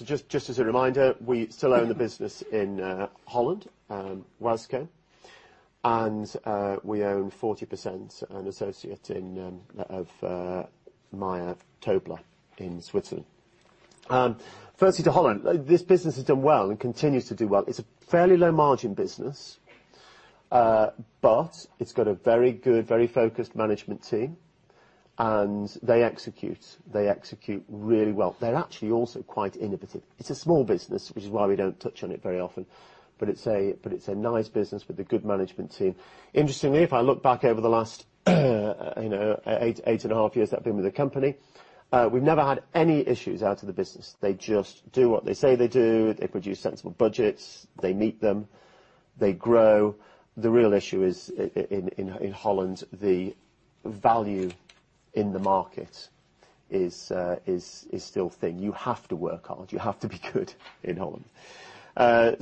just as a reminder, we still own the business in Holland, Wasco, and we own 40% an associate of Meier Tobler in Switzerland. Firstly, to Holland, this business has done well and continues to do well. It's a fairly low margin business. It's got a very good, very focused management team, and they execute. They execute really well. They're actually also quite innovative. It's a small business, which is why we don't touch on it very often. It's a nice business with a good management team. Interestingly, if I look back over the last eight and a half years I've been with the company, we've never had any issues out of the business. They just do what they say they do. They produce sensible budgets. They meet them. They grow. The real issue is in Holland, the value in the market is still thin. You have to work hard. You have to be good in Holland.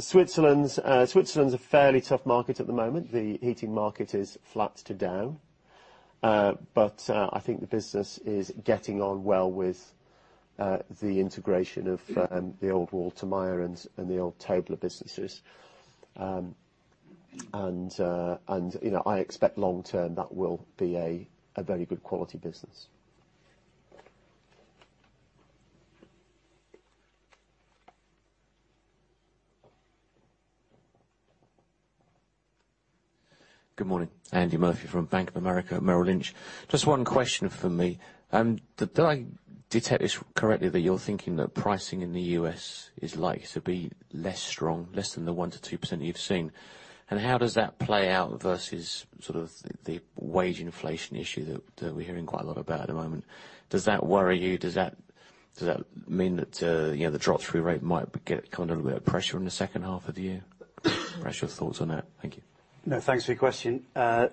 Switzerland's a fairly tough market at the moment. The heating market is flat to down. I think the business is getting on well with the integration of the old Walter Meier and the old Tobler businesses. I expect long-term, that will be a very good quality business. Good morning. Andy Murphy from Bank of America Merrill Lynch. Just one question from me. Did I detect this correctly that you're thinking that pricing in the U.S. is likely to be less strong, less than the 1%-2% you've seen? How does that play out versus sort of the wage inflation issue that we're hearing quite a lot about at the moment? Does that worry you? Does that mean that the drop-through rate might get kind of a little bit of pressure in the second half of the year? I'm not sure your thoughts on that. Thank you. No, thanks for your question. I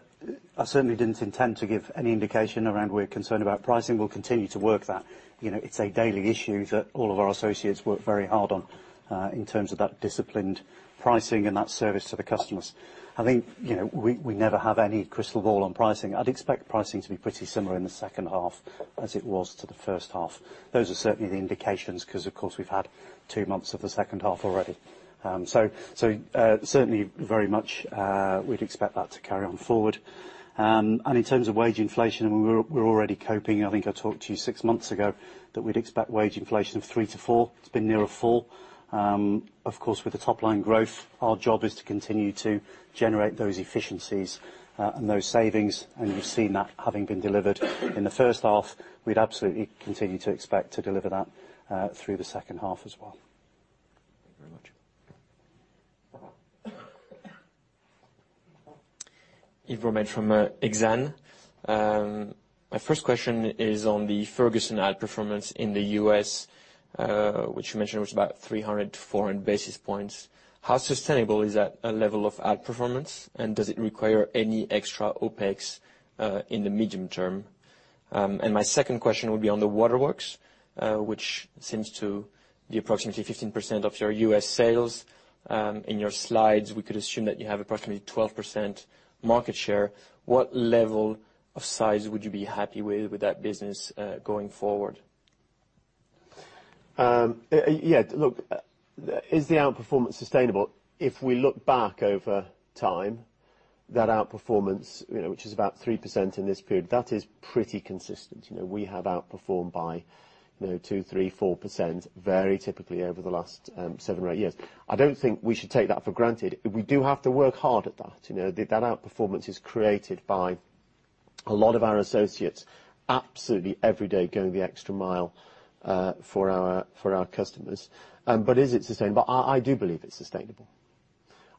certainly didn't intend to give any indication around we're concerned about pricing. We'll continue to work that. It's a daily issue that all of our associates work very hard on in terms of that disciplined pricing and that service to the customers. I think we never have any crystal ball on pricing. I'd expect pricing to be pretty similar in the second half as it was to the first half. Those are certainly the indications because, of course, we've had two months of the second half already. Certainly very much we'd expect that to carry on forward. In terms of wage inflation, we're already coping. I think I talked to you six months ago that we'd expect wage inflation of 3%-4%. It's been nearer 4%. Of course, with the top line growth, our job is to continue to generate those efficiencies and those savings. You've seen that having been delivered in the first half. We'd absolutely continue to expect to deliver that through the second half as well. Yves Bromehead from Exane. My first question is on the Ferguson outperformance in the U.S., which you mentioned was about 300-400 basis points. How sustainable is that level of outperformance, and does it require any extra OpEx in the medium term? My second question would be on the Waterworks, which seems to be approximately 15% of your U.S. sales. In your slides, we could assume that you have approximately 12% market share. What level of size would you be happy with that business going forward? Yeah. Look, is the outperformance sustainable? If we look back over time, that outperformance, which is about 3% in this period, that is pretty consistent. We have outperformed by 2%, 3%, 4%, very typically over the last seven or eight years. I don't think we should take that for granted. We do have to work hard at that. That outperformance is created by a lot of our associates, absolutely every day going the extra mile for our customers. Is it sustainable? I do believe it's sustainable.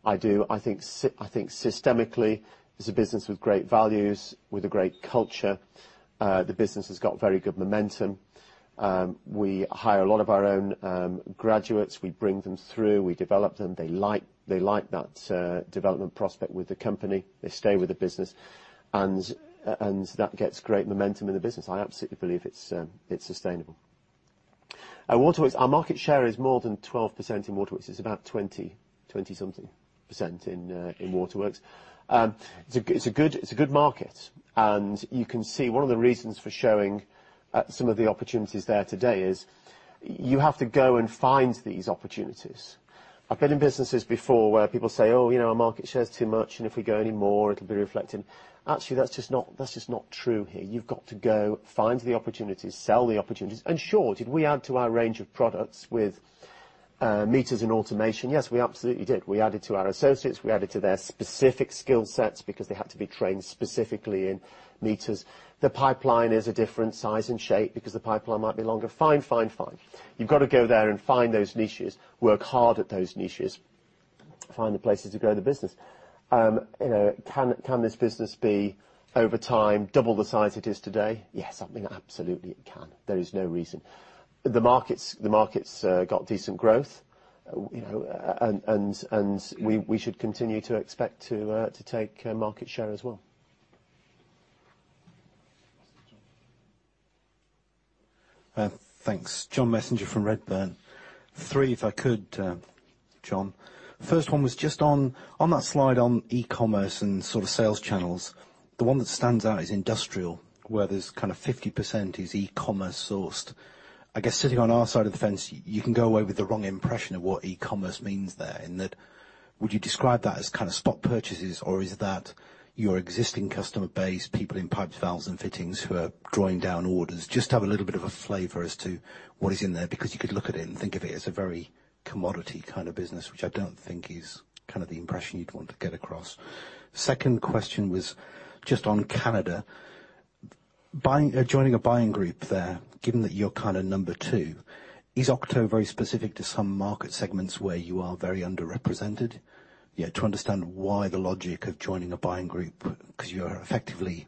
I do. I think systemically, it's a business with great values, with a great culture. The business has got very good momentum. We hire a lot of our own graduates. We bring them through, we develop them. They like that development prospect with the company. They stay with the business, and that gets great momentum in the business. I absolutely believe it's sustainable. At Waterworks, our market share is more than 12% in Waterworks. It's about 20-something% in Waterworks. It's a good market, you can see one of the reasons for showing some of the opportunities there today is you have to go and find these opportunities. I've been in businesses before where people say, "Oh, our market share's too much, and if we go any more, it'll be reflected." Actually, that's just not true here. You've got to go find the opportunities, sell the opportunities. Sure, did we add to our range of products with meters and automation? Yes, we absolutely did. We added to our associates, we added to their specific skill sets because they had to be trained specifically in meters. The pipeline is a different size and shape because the pipeline might be longer. Fine. You've got to go there and find those niches, work hard at those niches, find the places to grow the business. Can this business be, over time, double the size it is today? Yes, I mean, absolutely it can. There is no reason. The market's got decent growth, we should continue to expect to take market share as well. Thanks. John Messenger from Redburn. Three if I could, John. First one was just on that slide on e-commerce and sort of sales channels, the one that stands out is industrial, where there's kind of 50% is e-commerce sourced. I guess sitting on our side of the fence, you can go away with the wrong impression of what e-commerce means there, in that would you describe that as kind of spot purchases, or is that your existing customer base, people in pipes, valves, and fittings who are drawing down orders? Just to have a little bit of a flavor as to what is in there, because you could look at it and think of it as a very commodity kind of business, which I don't think is the impression you'd want to get across. Second question was just on Canada. Joining a buying group there, given that you're kind of number two, is Octo very specific to some market segments where you are very underrepresented? To understand why the logic of joining a buying group, because you're effectively,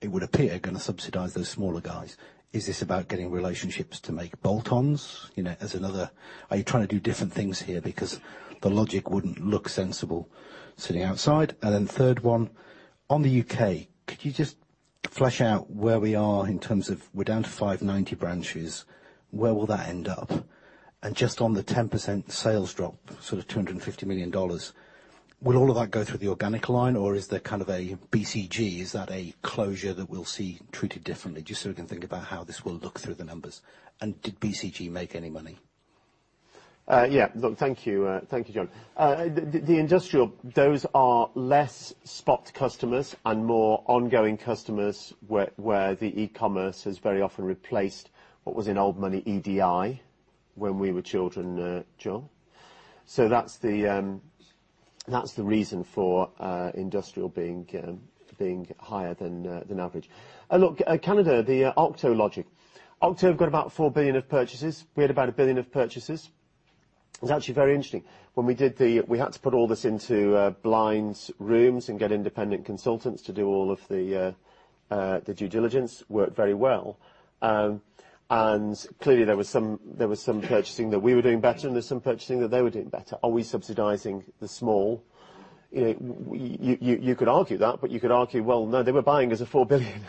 it would appear, going to subsidize those smaller guys. Is this about getting relationships to make bolt-ons? Are you trying to do different things here? Because the logic wouldn't look sensible sitting outside. Third one, on the U.K., could you just flesh out where we are in terms of we're down to 590 branches. Where will that end up? Just on the 10% sales drop, sort of $250 million, will all of that go through the organic line, or is there kind of a BCG? Is that a closure that we'll see treated differently? Just so we can think about how this will look through the numbers. Did BCG make any money? Yeah. Look, thank you, John. The industrial, those are less spot customers and more ongoing customers, where the e-commerce has very often replaced what was in old money, EDI, when we were children, John. That's the reason for industrial being higher than average. Look, Canada, the Octo logic. Octo have got about $4 billion of purchases. We had about $1 billion of purchases. It's actually very interesting. When we had to put all this into blind rooms and get independent consultants to do all of the due diligence, worked very well. Clearly, there was some purchasing that we were doing better, and there's some purchasing that they were doing better. Are we subsidizing the small? You could argue that, but you could argue, well, no, they were buying us a $4 billion.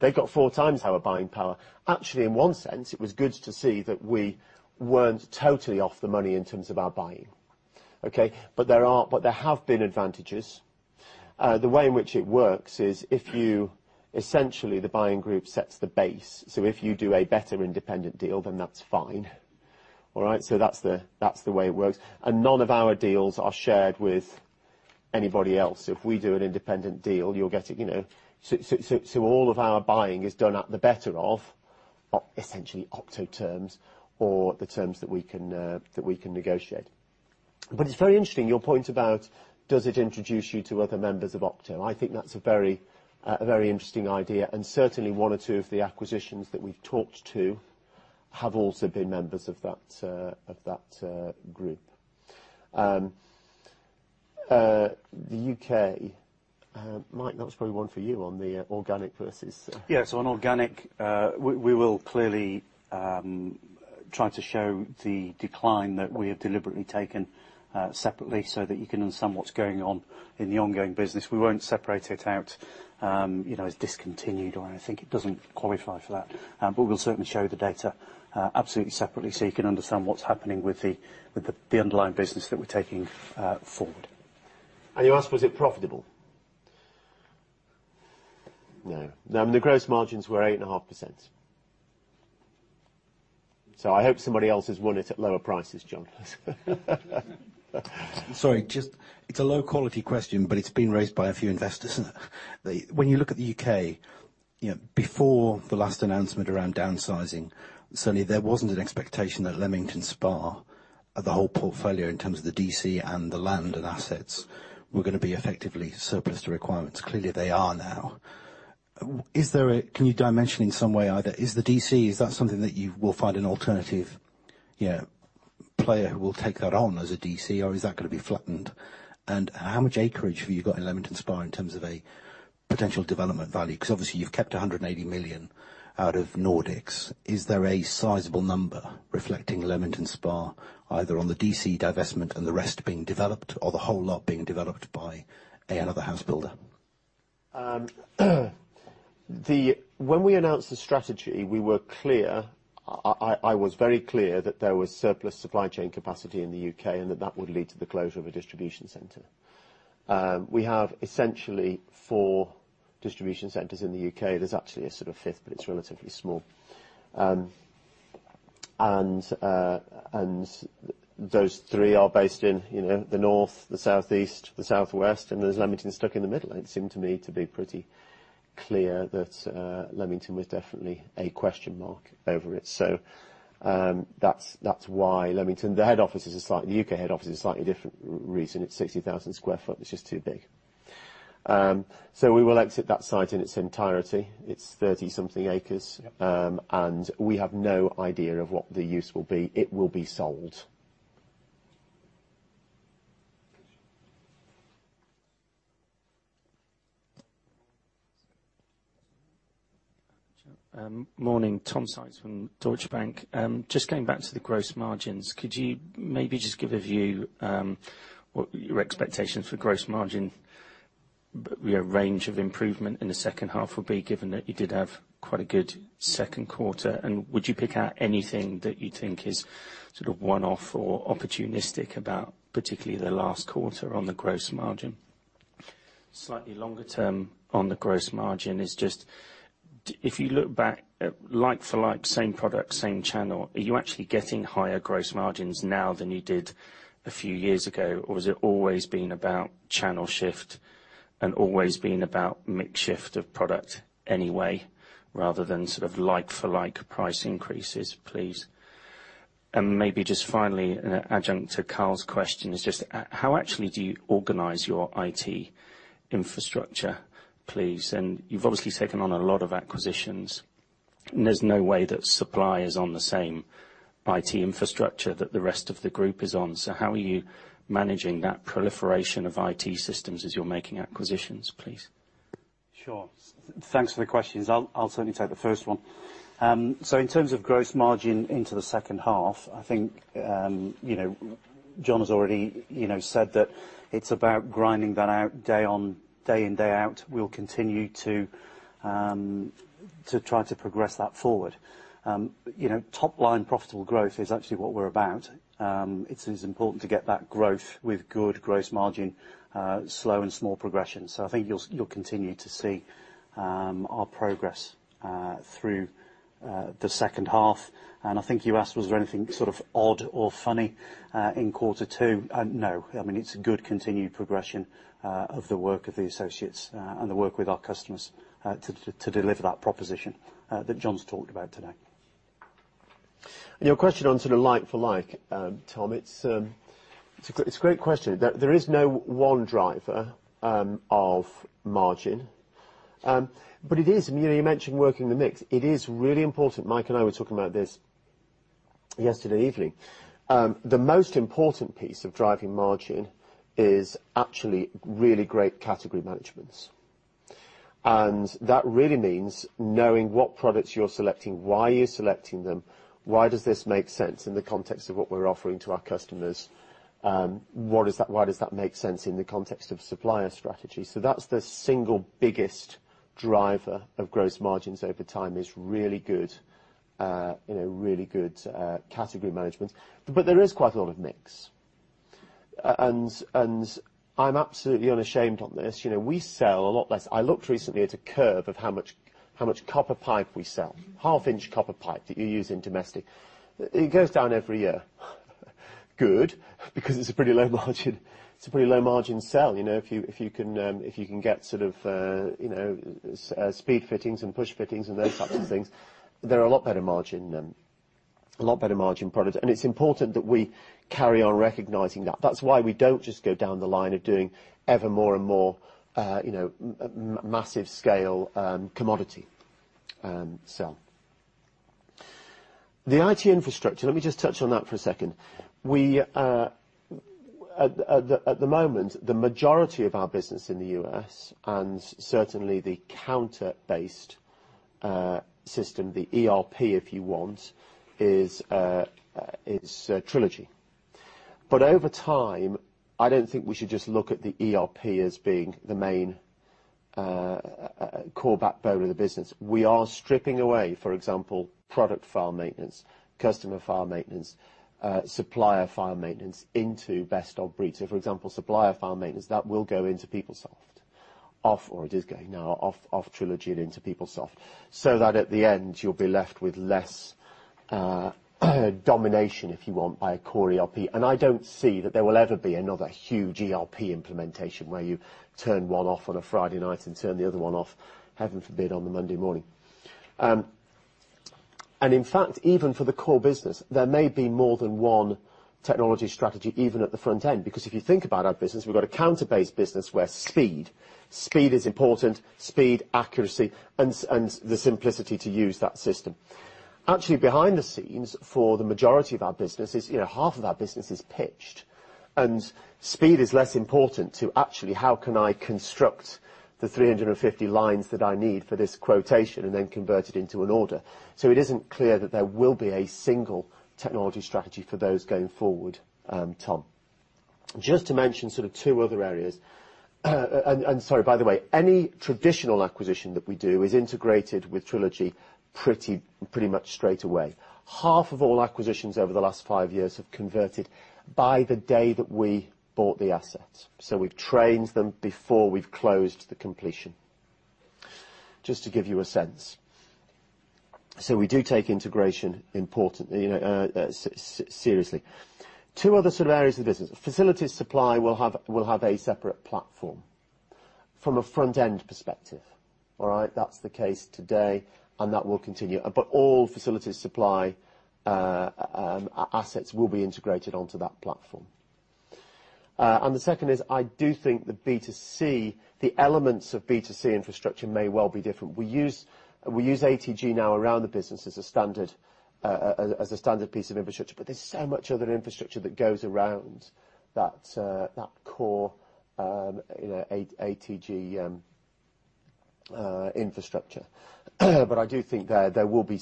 They got four times our buying power. Actually, in one sense, it was good to see that we weren't totally off the money in terms of our buying. Okay? There have been advantages. The way in which it works is essentially the buying group sets the base. If you do a better independent deal, then that's fine. All right? That's the way it works. None of our deals are shared with anybody else. If we do an independent deal, you'll get it. All of our buying is done at the better of essentially Octo terms or the terms that we can negotiate. It's very interesting, your point about does it introduce you to other members of Octo? I think that's a very interesting idea, and certainly one or two of the acquisitions that we've talked to have also been members of that group. The U.K., Mike, that was probably one for you on the organic versus- Yeah. On organic, we will clearly try to show the decline that we have deliberately taken separately so that you can understand what's going on in the ongoing business. We won't separate it out as discontinued or anything. It doesn't qualify for that. We'll certainly show the data absolutely separately so you can understand what's happening with the underlying business that we're taking forward. You asked was it profitable? No. The gross margins were 8.5%. I hope somebody else has won it at lower prices, John. Sorry. It's a low-quality question, but it's been raised by a few investors. When you look at the U.K., before the last announcement around downsizing, certainly there wasn't an expectation that Leamington Spa, the whole portfolio in terms of the DC and the land and assets, were going to be effectively surplus to requirements. Clearly, they are now. Can you dimension in some way, either is the DC, is that something that you will find an alternative player who will take that on as a DC, or is that going to be flattened? How much acreage have you got in Leamington Spa in terms of a potential development value? Because obviously, you've kept 180 million out of Nordics. Is there a sizable number reflecting Leamington Spa, either on the DC divestment and the rest being developed, or the whole lot being developed by another house builder? When we announced the strategy, we were clear, I was very clear that there was surplus supply chain capacity in the U.K., and that that would lead to the closure of a distribution center. We have essentially four distribution centers in the U.K. There's actually a fifth, but it's relatively small. Those three are based in the north, the southeast, the southwest, and there's Leamington stuck in the middle. It seemed to me to be pretty clear that Leamington was definitely a question mark over it. That's why Leamington. The U.K. head office is a slightly different reason. It's 60,000 square foot. It's just too big. We will exit that site in its entirety. It's 30-something acres. Yep. We have no idea of what the use will be. It will be sold. Good. Morning. Tom Sykes from Deutsche Bank. Just going back to the gross margins, could you maybe just give a view what your expectations for gross margin range of improvement in the second half will be, given that you did have quite a good second quarter? Would you pick out anything that you think is sort of one-off or opportunistic about particularly the last quarter on the gross margin? Slightly longer term on the gross margin is just, if you look back at like-for-like, same product, same channel, are you actually getting higher gross margins now than you did a few years ago? Has it always been about channel shift and always been about mix shift of product anyway, rather than sort of like-for-like price increases, please? Maybe just finally, an adjunct to Carl's question is just, how actually do you organize your IT infrastructure, please? You've obviously taken on a lot of acquisitions, and there's no way that supply.com is on the same IT infrastructure that the rest of the group is on. How are you managing that proliferation of IT systems as you're making acquisitions, please? Sure. Thanks for the questions. I'll certainly take the first one. In terms of gross margin into the second half, I think John has already said that it's about grinding that out day in, day out. We'll continue to try to progress that forward. Top line profitable growth is actually what we're about. It is important to get that growth with good gross margin, slow and small progression. I think you'll continue to see our progress through the second half. I think you asked was there anything sort of odd or funny in quarter 2? No. It's a good continued progression of the work of the associates and the work with our customers to deliver that proposition that John's talked about today. Your question on sort of like for like, Tom, it's a great question. There is no one driver of margin. You mentioned working the mix. It is really important. Mike and I were talking about this yesterday evening. The most important piece of driving margin is actually really great category management. That really means knowing what products you're selecting, why you're selecting them, why does this make sense in the context of what we're offering to our customers? Why does that make sense in the context of supplier strategy? That's the single biggest driver of gross margins over time, is really good category management. There is quite a lot of mix. I'm absolutely unashamed on this. We sell a lot less. I looked recently at a curve of how much copper pipe we sell. Half-inch copper pipe that you use in domestic. It goes down every year. Good, because it's a pretty low margin sell. If you can get sort of speed fittings and push fittings and those types of things, they're a lot better margin products. It's important that we carry on recognizing that. That's why we don't just go down the line of doing ever more and more massive scale commodity sell. The IT infrastructure, let me just touch on that for a second. At the moment, the majority of our business in the U.S., and certainly the counter-based system, the ERP, if you want, is Trilogy. Over time, I don't think we should just look at the ERP as being the main core backbone of the business. We are stripping away, for example, product file maintenance, customer file maintenance, supplier file maintenance into best of breed. For example, supplier file maintenance, that will go into PeopleSoft, or it is going now, off Trilogy and into PeopleSoft. That at the end you'll be left with less domination, if you want, by a core ERP. I don't see that there will ever be another huge ERP implementation where you turn one off on a Friday night and turn the other one off, heaven forbid, on the Monday morning. In fact, even for the core business, there may be more than one technology strategy, even at the front end, because if you think about our business, we've got a counter-based business where speed is important. Speed, accuracy, and the simplicity to use that system. Actually, behind the scenes, for the majority of our business, half of our business is pitched. Speed is less important to actually how can I construct the 350 lines that I need for this quotation and then convert it into an order? It isn't clear that there will be a single technology strategy for those going forward, Tom. Just to mention sort of two other areas. Sorry, by the way, any traditional acquisition that we do is integrated with Trilogy pretty much straight away. Half of all acquisitions over the last five years have converted by the day that we bought the asset. We've trained them before we've closed the completion. Just to give you a sense. We do take integration important, seriously. Two other sort of areas of the business. Facilities supply will have a separate platform from a front-end perspective. All right? That's the case today, and that will continue. All facilities supply assets will be integrated onto that platform. The second is, I do think the B2C, the elements of B2C infrastructure may well be different. We use ATG now around the business as a standard piece of infrastructure, but there's so much other infrastructure that goes around that core ATG infrastructure. I do think there will be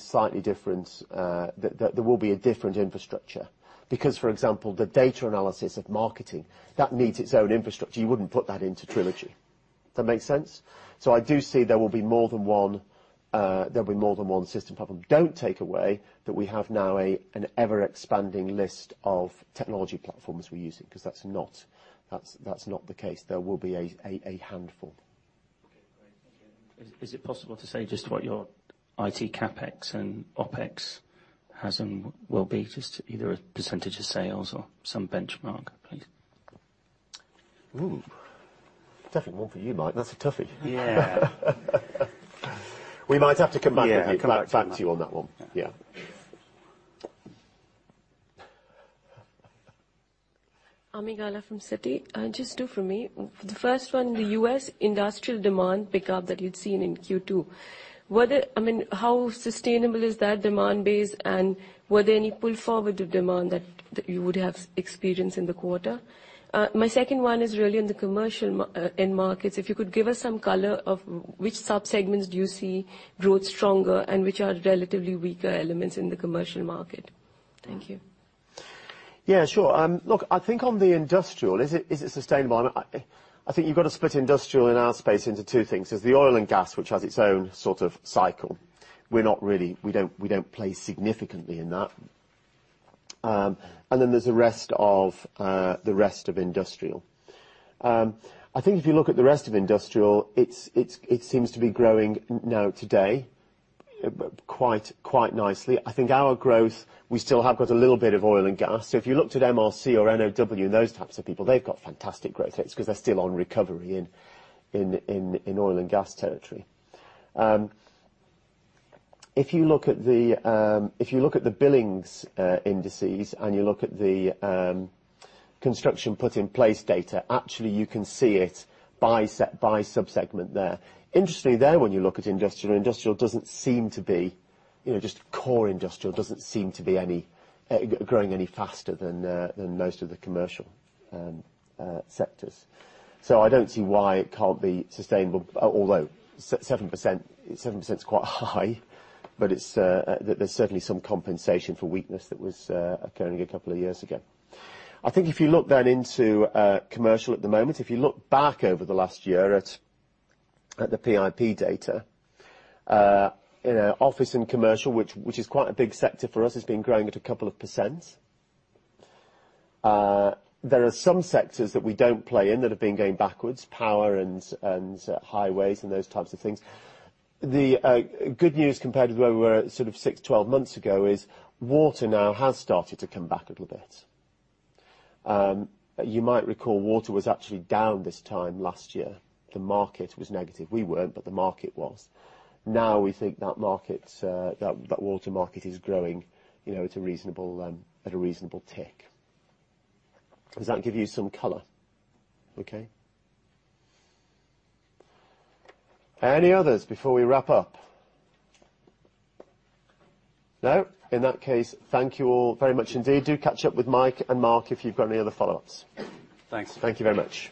a different infrastructure. Because, for example, the data analysis of marketing, that needs its own infrastructure. You wouldn't put that into Trilogy. Does that make sense? I do see there will be more than one system. Don't take away that we have now an ever-expanding list of technology platforms we're using, because that's not the case. There will be a handful. Okay, great. Thank you. Is it possible to say just what your IT CapEx and OpEx has and will be, just either a % of sales or some benchmark, please? Ooh. Definitely one for you, Mike. That's a toughie. Yeah. We might have to come back with you. Yeah. Come back to me. Back to you on that one. Yeah. Ami Galla from Citi. Just two from me. The first one, the U.S. industrial demand pickup that you'd seen in Q2. How sustainable is that demand base, and were there any pull forward of demand that you would have experienced in the quarter? My second one is really in the commercial end markets. If you could give us some color of which subsegments do you see growth stronger, and which are relatively weaker elements in the commercial market? Thank you. Yeah, sure. Look, I think on the industrial, is it sustainable? I think you've got to split industrial in our space into two things. There's the oil and gas, which has its own sort of cycle. We don't play significantly in that. Then there's the rest of industrial. I think if you look at the rest of industrial, it seems to be growing now today quite nicely. I think our growth, we still have got a little bit of oil and gas. If you looked at MRC or DNOW and those types of people, they've got fantastic growth rates because they're still on recovery in oil and gas territory. If you look at the billings indices and you look at the construction put in place data, actually you can see it by subsegment there. Interestingly there, when you look at industrial doesn't seem to be, just core industrial, doesn't seem to be growing any faster than most of the commercial sectors. I don't see why it can't be sustainable, although 7% is quite high but there's certainly some compensation for weakness that was occurring a couple of years ago. I think if you look into commercial at the moment, if you look back over the last year at the PIP data, office and commercial, which is quite a big sector for us, has been growing at a couple of percent. There are some sectors that we don't play in that have been going backwards, power and highways and those types of things. The good news compared to where we were sort of 6-12 months ago is water now has started to come back a little bit. You might recall water was actually down this time last year. The market was negative. We weren't, but the market was. Now we think that water market is growing at a reasonable tick. Does that give you some color? Okay. Any others before we wrap up? No? In that case, thank you all very much indeed. Do catch up with Mike and Mark if you've got any other follow-ups. Thanks. Thank you very much.